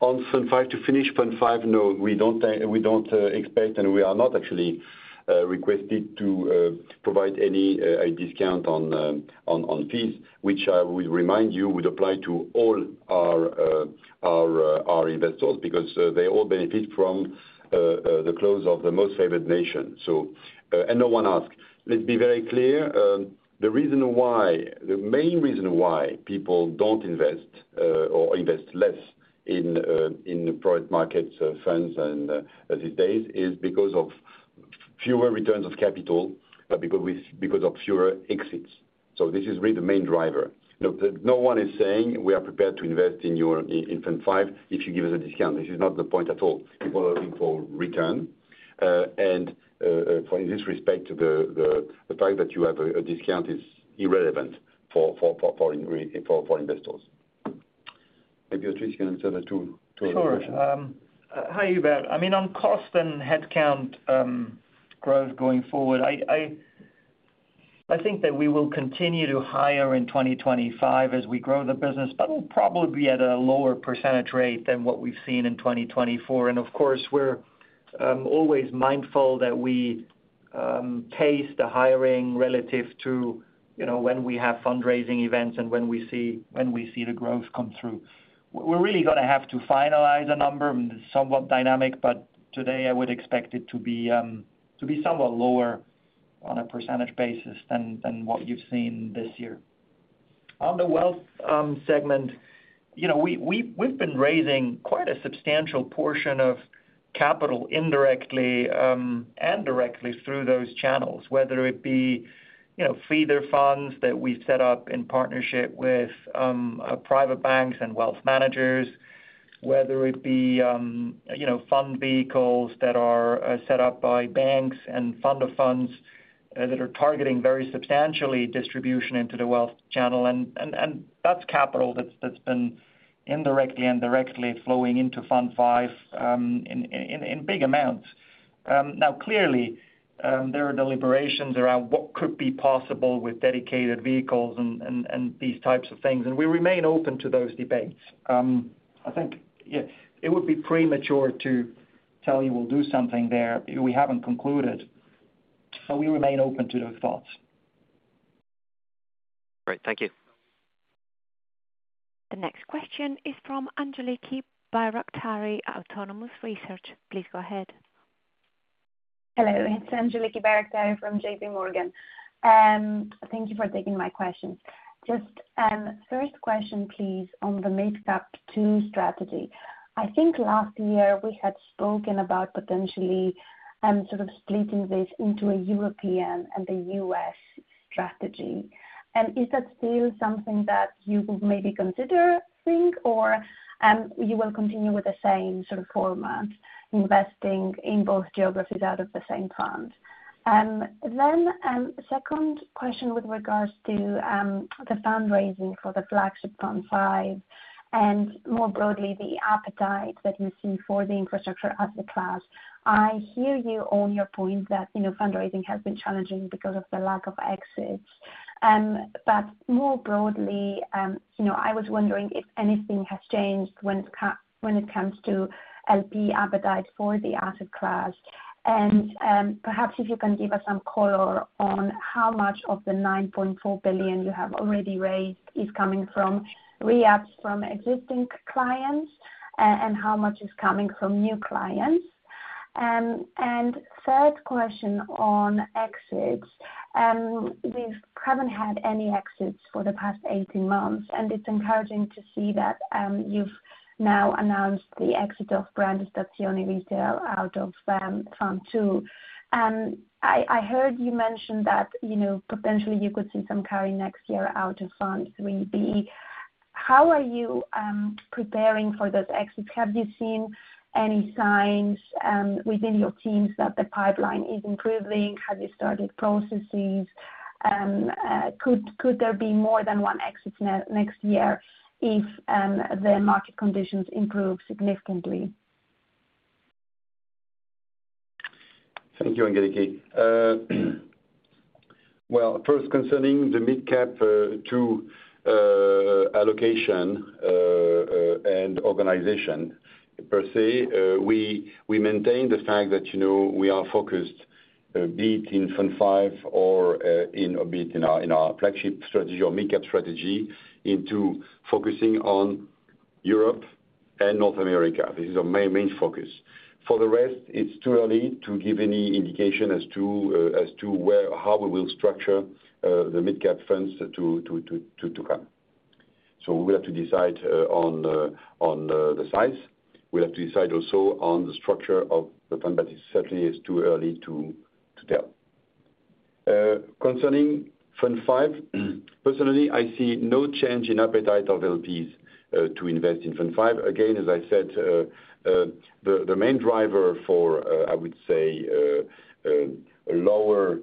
On Fund V, to finish Fund V, no, we don't expect, and we are not actually requested to provide any discount on fees, which I will remind you, would apply to all our investors, because they all benefit from the close of the most favored nation. So, and no one asked. Let's be very clear, the reason why, the main reason why people don't invest or invest less in the private markets funds and these days, is because of fewer returns of capital, because of fewer exits. So this is really the main driver. No one is saying we are prepared to invest in your Fund V if you give us a discount. This is not the point at all. People are looking for return, and in this respect, the fact that you have a discount is irrelevant for investors. Maybe Patrice can answer the two other questions. Sure. Hi, Hubert. I mean, on cost and headcount growth going forward, I think that we will continue to hire in 2025 as we grow the business, but we'll probably be at a lower percentage rate than what we've seen in 2024. And of course, we're always mindful that we pace the hiring relative to, you know, when we have fundraising events and when we see the growth come through. We're really gonna have to finalize a number, and it's somewhat dynamic, but today I would expect it to be somewhat lower on a percentage basis than what you've seen this year. On the wealth segment, you know, we've been raising quite a substantial portion of capital indirectly and directly through those channels, whether it be, you know, feeder funds that we've set up in partnership with private banks and wealth managers, whether it be, you know, fund vehicles that are set up by banks and fund-of-funds that are targeting very substantial distribution into the wealth channel. And that's capital that's been indirectly and directly flowing into Fund V in big amounts. Now, clearly, there are deliberations around what could be possible with dedicated vehicles and these types of things, and we remain open to those debates. I think, yeah, it would be premature to tell you we'll do something there. We haven't concluded, so we remain open to those thoughts. Great. Thank you. The next question is from Angeliki Bairaktari, Autonomous Research. Please go ahead. Hello, it's Angeliki Bairaktari from J.P. Morgan. Thank you for taking my question. Just first question, please, on the Mid Cap II strategy. I think last year we had spoken about potentially sort of splitting this into a European and the U.S. strategy. And is that still something that you would maybe consider think, or you will continue with the same sort of format, investing in both geographies out of the same fund? Then second question with regards to the fundraising for the Flagship Fund V, and more broadly, the appetite that you see for the infrastructure as a class. I hear you on your point that, you know, fundraising has been challenging because of the lack of exits. But more broadly, you know, I was wondering if anything has changed when it comes to LP appetite for the asset class. And perhaps if you can give us some color on how much of the 9.4 billion you have already raised is coming from re-ups from existing clients, and how much is coming from new clients. And third question on exits. We haven't had any exits for the past eighteen months, and it's encouraging to see that you've now announced the exit of Grandi Stazioni Retail out of Fund V. I heard you mention that, you know, potentially you could see some carry next year out of Fund III-B. How are you preparing for those exits? Have you seen any signs within your teams that the pipeline is improving? Have you started processes? Could there be more than one exit next year if the market conditions improve significantly? Thank you, Angeliki. Well, first, concerning the Mid Cap II allocation and organization per se, we maintain the fact that, you know, we are focused, be it in Fund V or in or be it in our Flagship strategy or Mid Cap strategy, into focusing on Europe and North America. This is our main focus. For the rest, it's too early to give any indication as to where or how we will structure the Mid Cap funds to come. So we have to decide on the size. We have to decide also on the structure of the fund, but it certainly is too early to tell. Concerning Fund V, personally, I see no change in appetite of LPs to invest in Fund V. Again, as I said, the main driver for, I would say, lower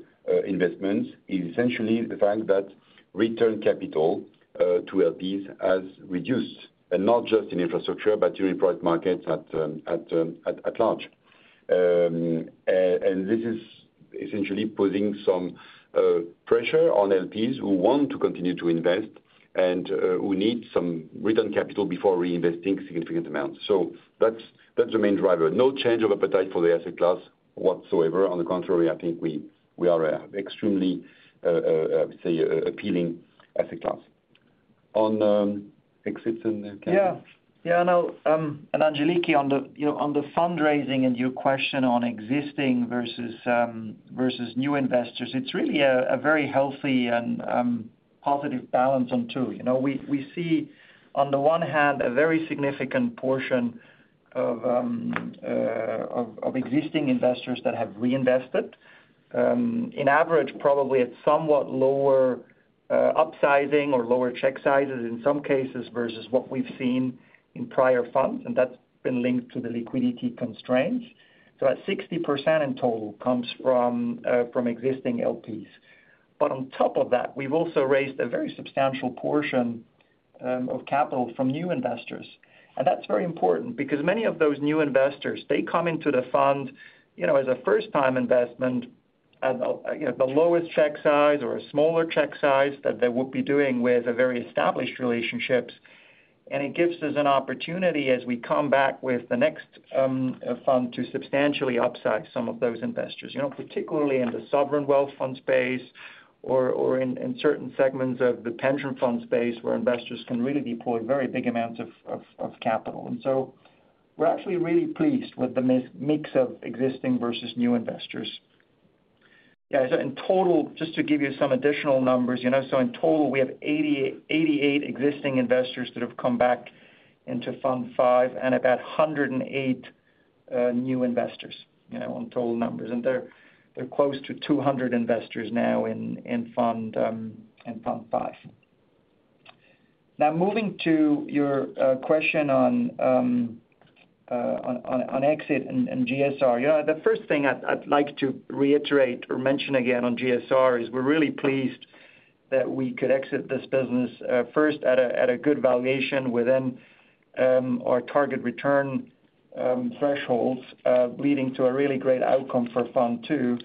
investments is essentially the fact that return capital to LPs has reduced, and not just in infrastructure, but in private markets at large. And this is essentially putting some pressure on LPs who want to continue to invest and who need some return capital before reinvesting significant amounts. So that's the main driver. No change of appetite for the asset class whatsoever. On the contrary, I think we are an extremely appealing asset class. On exits and- Yeah. Yeah, no, and Angeliki, on the, you know, on the fundraising and your question on existing versus new investors, it's really a very healthy and positive balance on two. You know, we see, on the one hand, a very significant portion of existing investors that have reinvested. In average, probably at somewhat lower upsizing or lower check sizes in some cases, versus what we've seen in prior funds, and that's been linked to the liquidity constraints. So at 60% in total comes from existing LPs. But on top of that, we've also raised a very substantial portion of capital from new investors. That's very important because many of those new investors, they come into the fund, you know, as a first-time investment at, you know, the lowest check size or a smaller check size that they will be doing with a very established relationships. It gives us an opportunity as we come back with the next fund, to substantially upsize some of those investors, you know, particularly in the sovereign wealth fund space or in certain segments of the pension fund space, where investors can really deploy very big amounts of capital. We're actually really pleased with the mix of existing versus new investors. Yeah, so in total, just to give you some additional numbers, you know, so in total, we have 88 existing investors that have come back into Fund V, and about hundred and eight new investors, you know, on total numbers. And they're close to two hundred investors now in Fund V. Now, moving to your question on exit and GSR. You know, the first thing I'd like to reiterate or mention again on GSR is we're really pleased that we could exit this business, first at a good valuation within our target return thresholds, leading to a really great outcome for Fund II.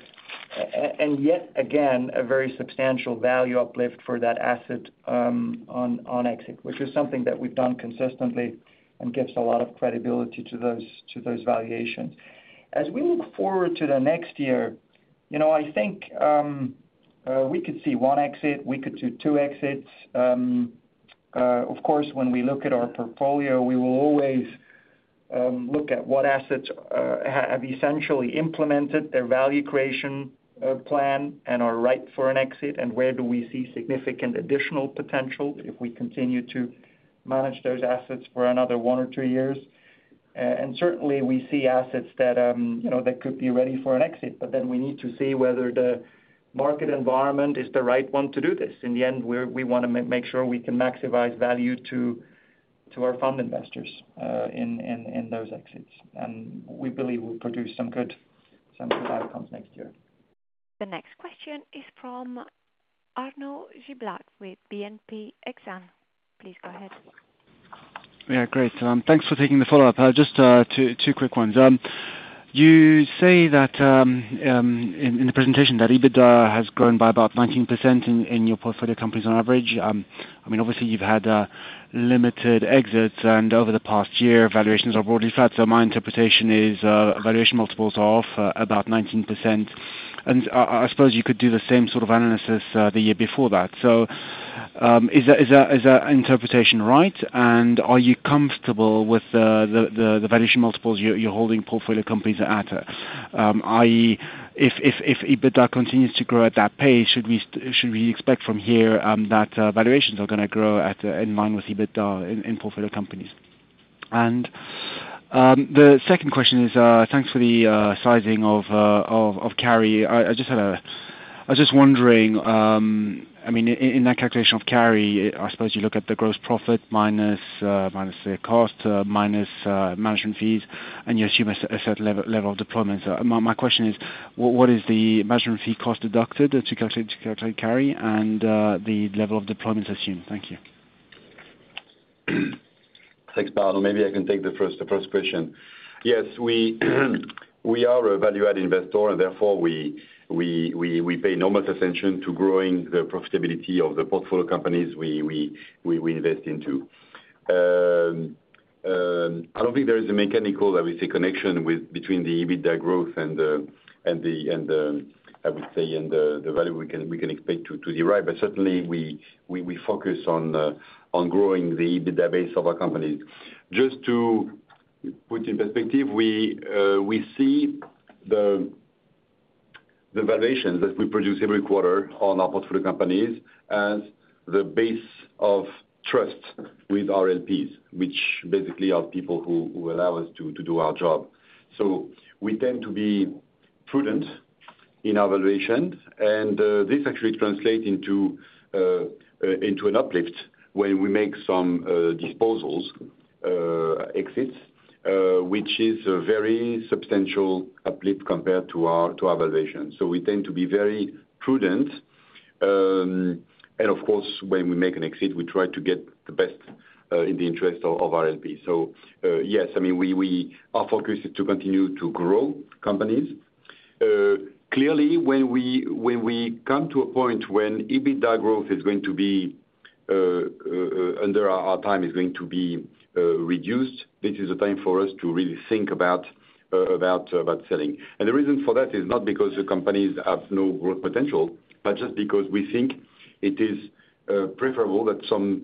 And yet again, a very substantial value uplift for that asset, on exit, which is something that we've done consistently and gives a lot of credibility to those valuations. As we look forward to the next year, you know, I think, we could see one exit, we could see two exits. Of course, when we look at our portfolio, we will always look at what assets have essentially implemented their value creation plan and are ripe for an exit, and where do we see significant additional potential if we continue to manage those assets for another one or two years? And certainly we see assets that, you know, that could be ready for an exit, but then we need to see whether the market environment is the right one to do this. In the end, we want to make sure we can maximize value to our fund investors in those exits, and we believe we'll produce some good outcomes next year. The next question is from Arnaud Giblat with BNP Exane. Please go ahead. Yeah, great. Thanks for taking the follow-up. Just two quick ones. You say that in the presentation that EBITDA has grown by about 19% in your portfolio companies on average. I mean, obviously, you've had limited exits, and over the past year, valuations are broadly flat. So my interpretation is valuation multiples are off about 19%. And I suppose you could do the same sort of analysis the year before that. So is that interpretation right? And are you comfortable with the valuation multiples you're holding portfolio companies at i.e., if EBITDA continues to grow at that pace, should we expect from here that valuations are gonna grow at in line with EBITDA in portfolio companies? And the second question is, thanks for the sizing of carry. I just had a... I was just wondering, I mean, in that calculation of carry, I suppose you look at the gross profit minus the cost minus management fees, and you assume a certain level of deployment. My question is, what is the management fee cost deducted to calculate carry and the level of deployments assumed? Thank you. Thanks, Arnaud. Maybe I can take the first question. Yes, we are a value-add investor, and therefore, we pay enormous attention to growing the profitability of the portfolio companies we invest into. I don't think there is a mechanical, I would say, connection between the EBITDA growth and the value we can expect to derive, but certainly we focus on growing the EBITDA base of our companies. Just to put in perspective, we see the valuations that we produce every quarter on our portfolio companies as the base of trust with our LPs, which basically are people who allow us to do our job. So we tend to be prudent in our valuation, and this actually translates into an uplift when we make some disposals, exits, which is a very substantial uplift compared to our valuation. So we tend to be very prudent, and of course, when we make an exit, we try to get the best in the interest of our LP. So yes, I mean, we are focused to continue to grow companies. Clearly, when we come to a point when EBITDA growth is going to be under our time is going to be reduced, this is a time for us to really think about selling. And the reason for that is not because the companies have no growth potential, but just because we think it is preferable that some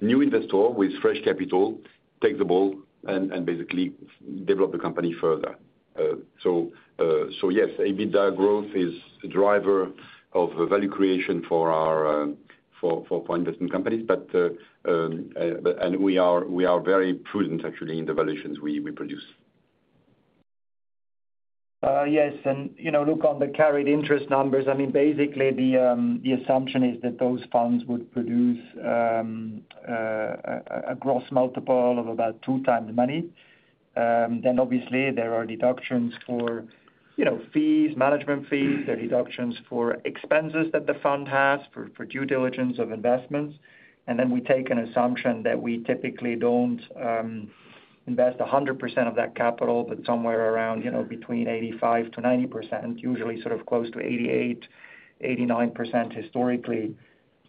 new investor with fresh capital take the ball and basically develop the company further. So yes, EBITDA growth is a driver of value creation for our investment companies, but and we are very prudent actually in the valuations we produce. Yes, and you know, look on the carried interest numbers. I mean, basically the assumption is that those funds would produce a gross multiple of about 2x the money. Then obviously there are deductions for, you know, fees, management fees. There are deductions for expenses that the fund has, for due diligence of investments. And then we take an assumption that we typically don't invest 100% of that capital, but somewhere around, you know, between 85%-90%, usually sort of close to 88-89% historically,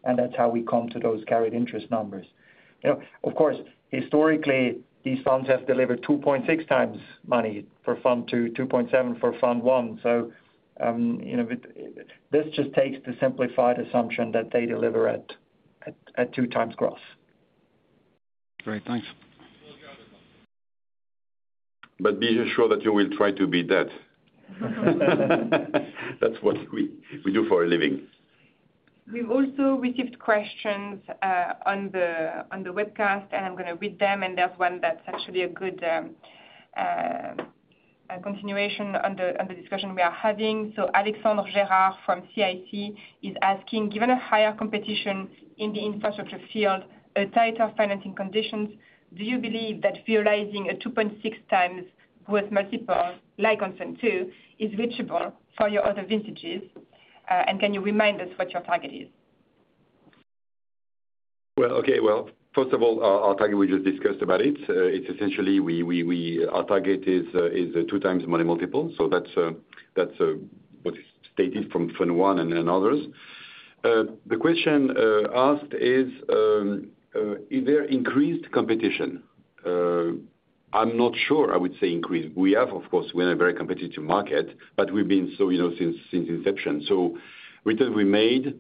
and that's how we come to those carried interest numbers. You know, of course, historically, these funds have delivered 2.6x money for Fund II, 2.7 for Fund I. So you know, this just takes the simplified assumption that they deliver at. at 2x gross. Great, thanks. But be assured that you will try to beat that. That's what we do for a living. We've also received questions on the webcast, and I'm gonna read them, and there's one that's actually a good continuation on the discussion we are having. Alexandre Gérard from CIC is asking: Given a higher competition in the infrastructure field, tighter financing conditions, do you believe that realizing a 2.6x growth multiple, like on Fund II, is reachable for your other vintages? And can you remind us what your target is? Okay, first of all, our target we just discussed about it. It's essentially our target is 2x money multiple, so that's what is stated from Fund I and others. The question asked is, is there increased competition? I'm not sure I would say increased. We have, of course, we're in a very competitive market, but we've been so, you know, since inception. So returns we made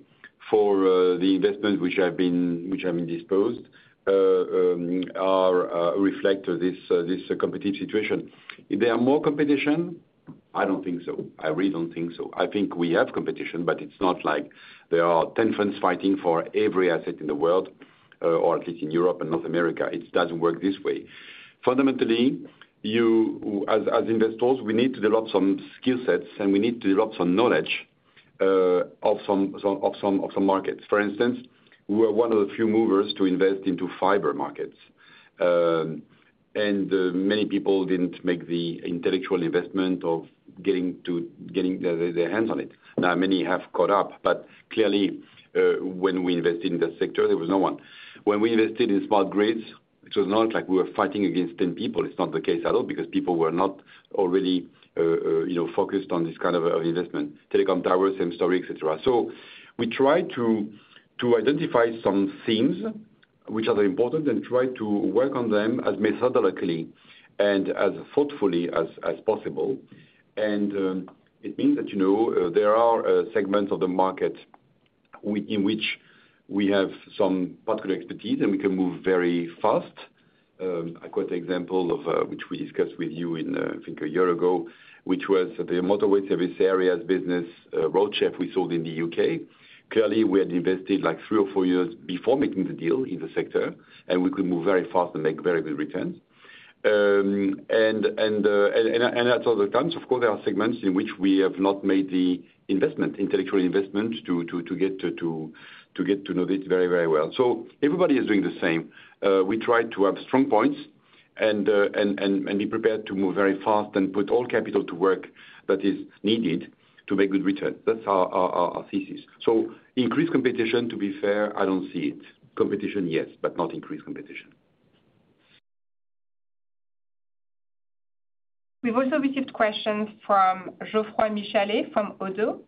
for the investments which have been disposed are reflect this competitive situation. Is there more competition? I don't think so. I really don't think so. I think we have competition, but it's not like there are 10 funds fighting for every asset in the world, or at least in Europe and North America. It doesn't work this way. Fundamentally, you as investors, we need to develop some skill sets, and we need to develop some knowledge of some markets. For instance, we are one of the few movers to invest into Fiber Markets, and many people didn't make the intellectual investment of getting their hands on it. Now, many have caught up, but clearly, when we invested in that sector, there was no one. When we invested in smart grids, it was not like we were fighting against 10 people. It's not the case at all, because people were not already, you know, focused on this kind of investment. Telecom towers, same story, et cetera. So we try to identify some themes which are important and try to work on them as methodically and as thoughtfully as possible. And it means that, you know, there are segments of the market in which we have some particular expertise, and we can move very fast. I quote the example of which we discussed with you in I think a year ago, which was the motorway service areas business, Roadchef we sold in the UK. Clearly, we had invested, like, three or four years before making the deal in the sector, and we could move very fast and make very good returns. At other times, of course, there are segments in which we have not made the investment, intellectual investment to get to know this very, very well. So everybody is doing the same. We try to have strong points and be prepared to move very fast and put all capital to work that is needed to make good return. That's our thesis. So increased competition, to be fair, I don't see it. Competition, yes, but not increased competition. We've also received questions from Geoffroy Michalet from Oddo.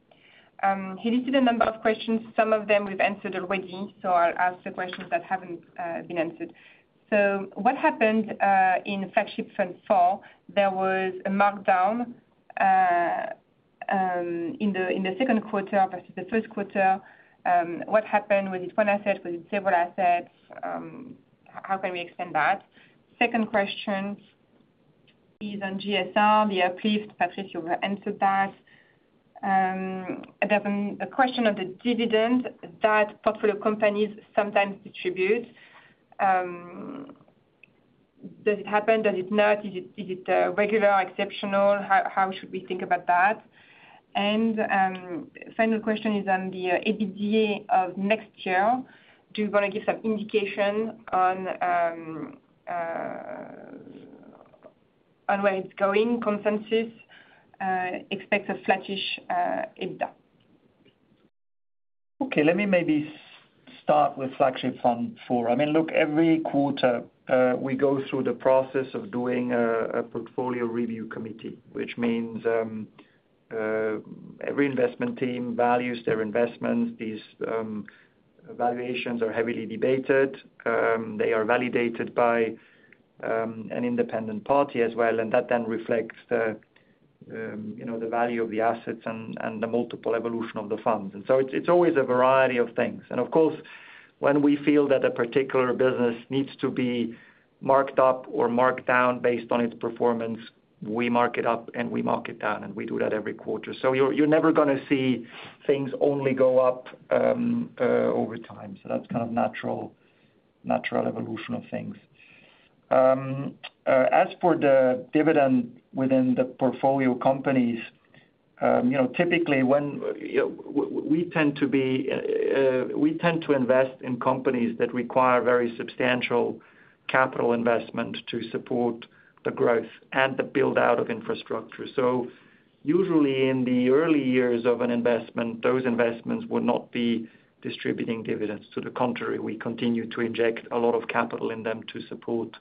He listed a number of questions. Some of them we've answered already, so I'll ask the questions that haven't been answered, so what happened in Flagship Fund IV? There was a markdown in the second quarter versus the first quarter. What happened? Was it one asset? Was it several assets? How can we explain that? Second question is on GSR, the uplift. Patrick, you answered that. There's a question of the dividend that portfolio companies sometimes distribute. Does it happen? Does it not? Is it regular or exceptional? How should we think about that, and final question is on the EBITDA of next year. Do you want to give some indication on where it's going? Consensus expects a flattish EBITDA. Okay, let me maybe start with Flagship Fund IV. I mean, look, every quarter, we go through the process of doing a portfolio review committee, which means every investment team values their investments. These valuations are heavily debated. They are validated by an independent party as well, and that then reflects the you know, the value of the assets and the multiple evolution of the funds. And so it's always a variety of things. And of course, when we feel that a particular business needs to be marked up or marked down based on its performance, we mark it up, and we mark it down, and we do that every quarter. So you're never gonna see things only go up over time. So that's kind of natural evolution of things. As for the dividend within the portfolio companies, you know, typically, we tend to invest in companies that require very substantial capital investment to support the growth and the build-out of infrastructure. So usually, in the early years of an investment, those investments would not be distributing dividends. To the contrary, we continue to inject a lot of capital in them to support the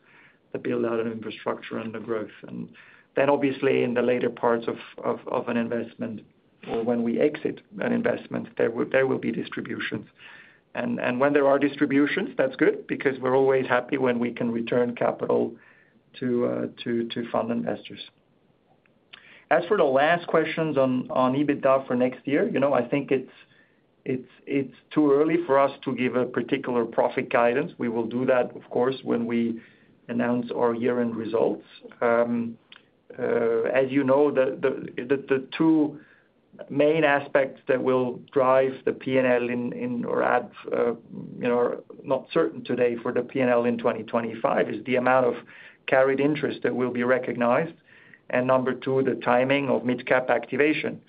build-out of infrastructure and the growth. And then, obviously, in the later parts of an investment or when we exit an investment, there will be distributions. When there are distributions, that's good because we're always happy when we can return capital to fund investors. As for the last questions on EBITDA for next year, you know, I think it's too early for us to give a particular profit guidance. We will do that, of course, when we announce our year-end results. As you know, the two main aspects that will drive the P&L, you know, are not certain today for the P&L in 2025, is the amount of carried interest that will be recognized, and number two, the timing of Mid Cap activation.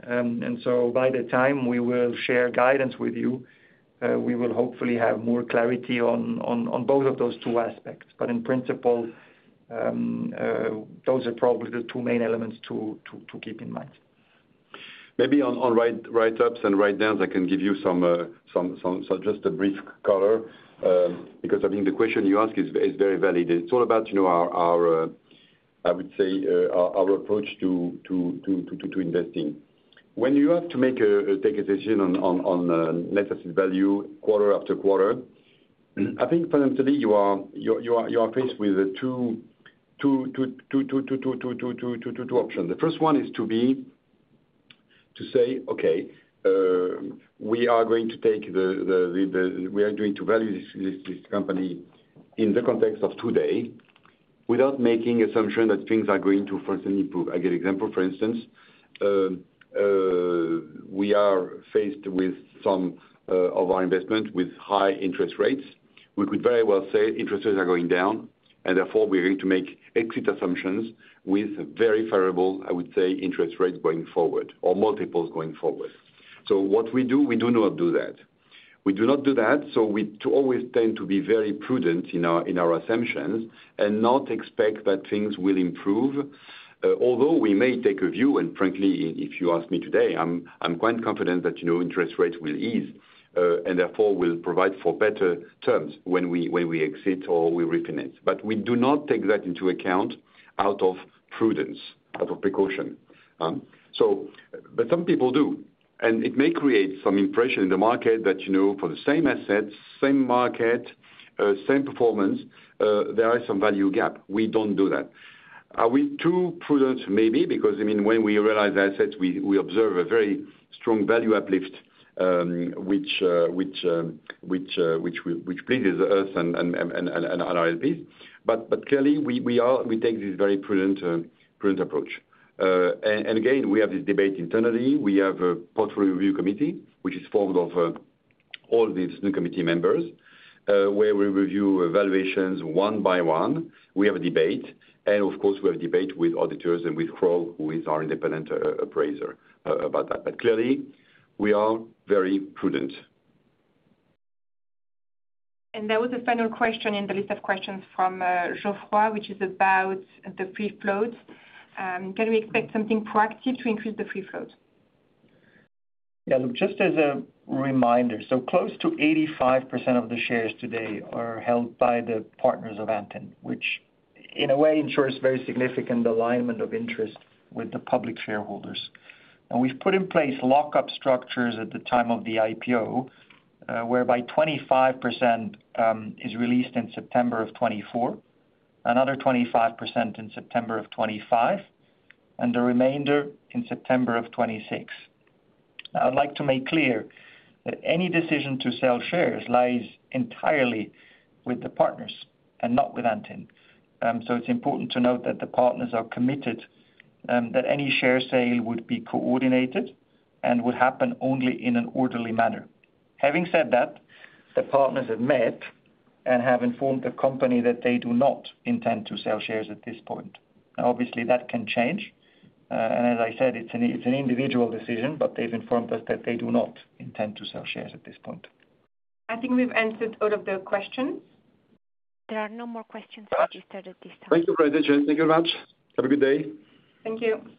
And so by the time we will share guidance with you, we will hopefully have more clarity on both of those two aspects. But in principle, those are probably the two main elements to keep in mind. Maybe on write-ups and write-downs, I can give you some, so just a brief color because I think the question you ask is very valid. It's all about, you know, I would say, our approach to investing. When you have to take a decision on net asset value quarter after quarter, I think fundamentally you are faced with two options. The first one is to say, "Okay, we are going to take the... We are going to value this company in the context of today, without making assumption that things are going to further improve." I give example, for instance, we are faced with some of our investment with high interest rates. We could very well say interest rates are going down, and therefore, we are going to make exit assumptions with very variable, I would say, interest rates going forward or multiples going forward. So what we do, we do not do that. We do not do that, so we always tend to be very prudent in our assumptions, and not expect that things will improve. Although we may take a view, and frankly, if you ask me today, I'm quite confident that, you know, interest rates will ease, and therefore will provide for better terms when we exit or we refinance. But we do not take that into account out of prudence, out of precaution, so, but some people do, and it may create some impression in the market that, you know, for the same assets, same market, same performance, there is some value gap. We don't do that. Are we too prudent? Maybe, because, I mean, when we realize the assets, we observe a very strong value uplift, which pleases us and our LPs. But clearly we take this very prudent approach. And again, we have this debate internally. We have a portfolio review committee, which is formed of all the senior committee members, where we review evaluations one by one. We have a debate, and of course, we have a debate with auditors and with Crowe, who is our independent appraiser, about that. But clearly, we are very prudent. There was a final question in the list of questions from Geoffroy, which is about the free floats. Can we expect something proactive to increase the free float? Yeah, look, just as a reminder, so close to 85% of the shares today are held by the partners of Antin, which in a way ensures very significant alignment of interest with the public shareholders, and we've put in place lock-up structures at the time of the IPO, whereby 25% is released in September of 2024, another 25% in September of 2025, and the remainder in September of 2026. I would like to make clear that any decision to sell shares lies entirely with the partners and not with Antin. So it's important to note that the partners are committed, that any share sale would be coordinated and would happen only in an orderly manner. Having said that, the partners have met and have informed the company that they do not intend to sell shares at this point. Now, obviously, that can change, and as I said, it's an individual decision, but they've informed us that they do not intend to sell shares at this point. I think we've answered all of the questions. There are no more questions registered at this time. Thank you, Francesca. Thank you very much. Have a good day. Thank you. Ladies and Gentlemen, thank you for joining, the conference is now over. You may now disconnect your telephones.